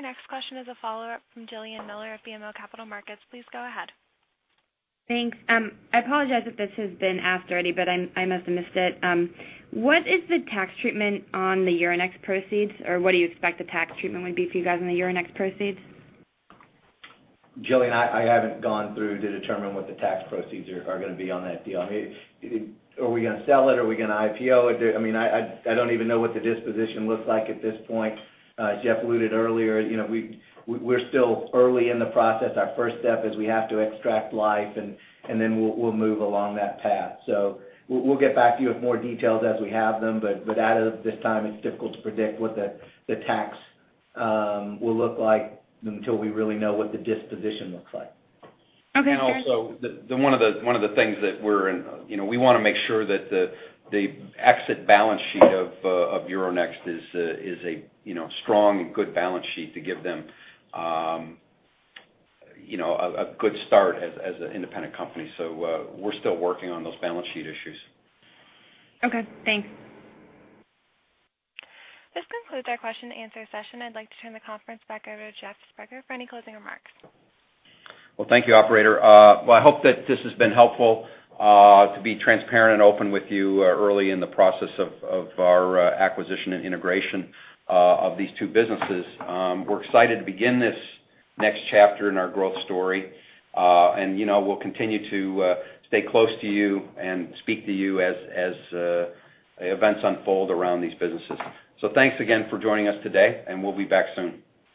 A: Our next question is a follow-up from Jillian Miller of BMO Capital Markets. Please go ahead.
N: Thanks. I apologize if this has been asked already, but I must have missed it. What is the tax treatment on the Euronext proceeds? Or what do you expect the tax treatment would be for you guys on the Euronext proceeds?
D: Jillian, I haven't gone through to determine what the tax proceeds are going to be on that deal. Are we going to sell it? Are we going to IPO it? I don't even know what the disposition looks like at this point. As Jeff alluded earlier, we're still early in the process. Our first step is we have to extract Liffe. We'll move along that path. We'll get back to you with more details as we have them. As of this time, it's difficult to predict what the tax will look like until we really know what the disposition looks like.
N: Okay.
C: One of the things that we want to make sure that the exit balance sheet of Euronext is a strong and good balance sheet to give them a good start as an independent company. We're still working on those balance sheet issues.
N: Okay. Thanks.
A: This concludes our question and answer session. I'd like to turn the conference back over to Jeff Sprecher for any closing remarks.
C: Well, thank you, operator. Well, I hope that this has been helpful to be transparent and open with you early in the process of our acquisition and integration of these two businesses. We're excited to begin this next chapter in our growth story. We'll continue to stay close to you and speak to you as events unfold around these businesses. Thanks again for joining us today, and we'll be back soon.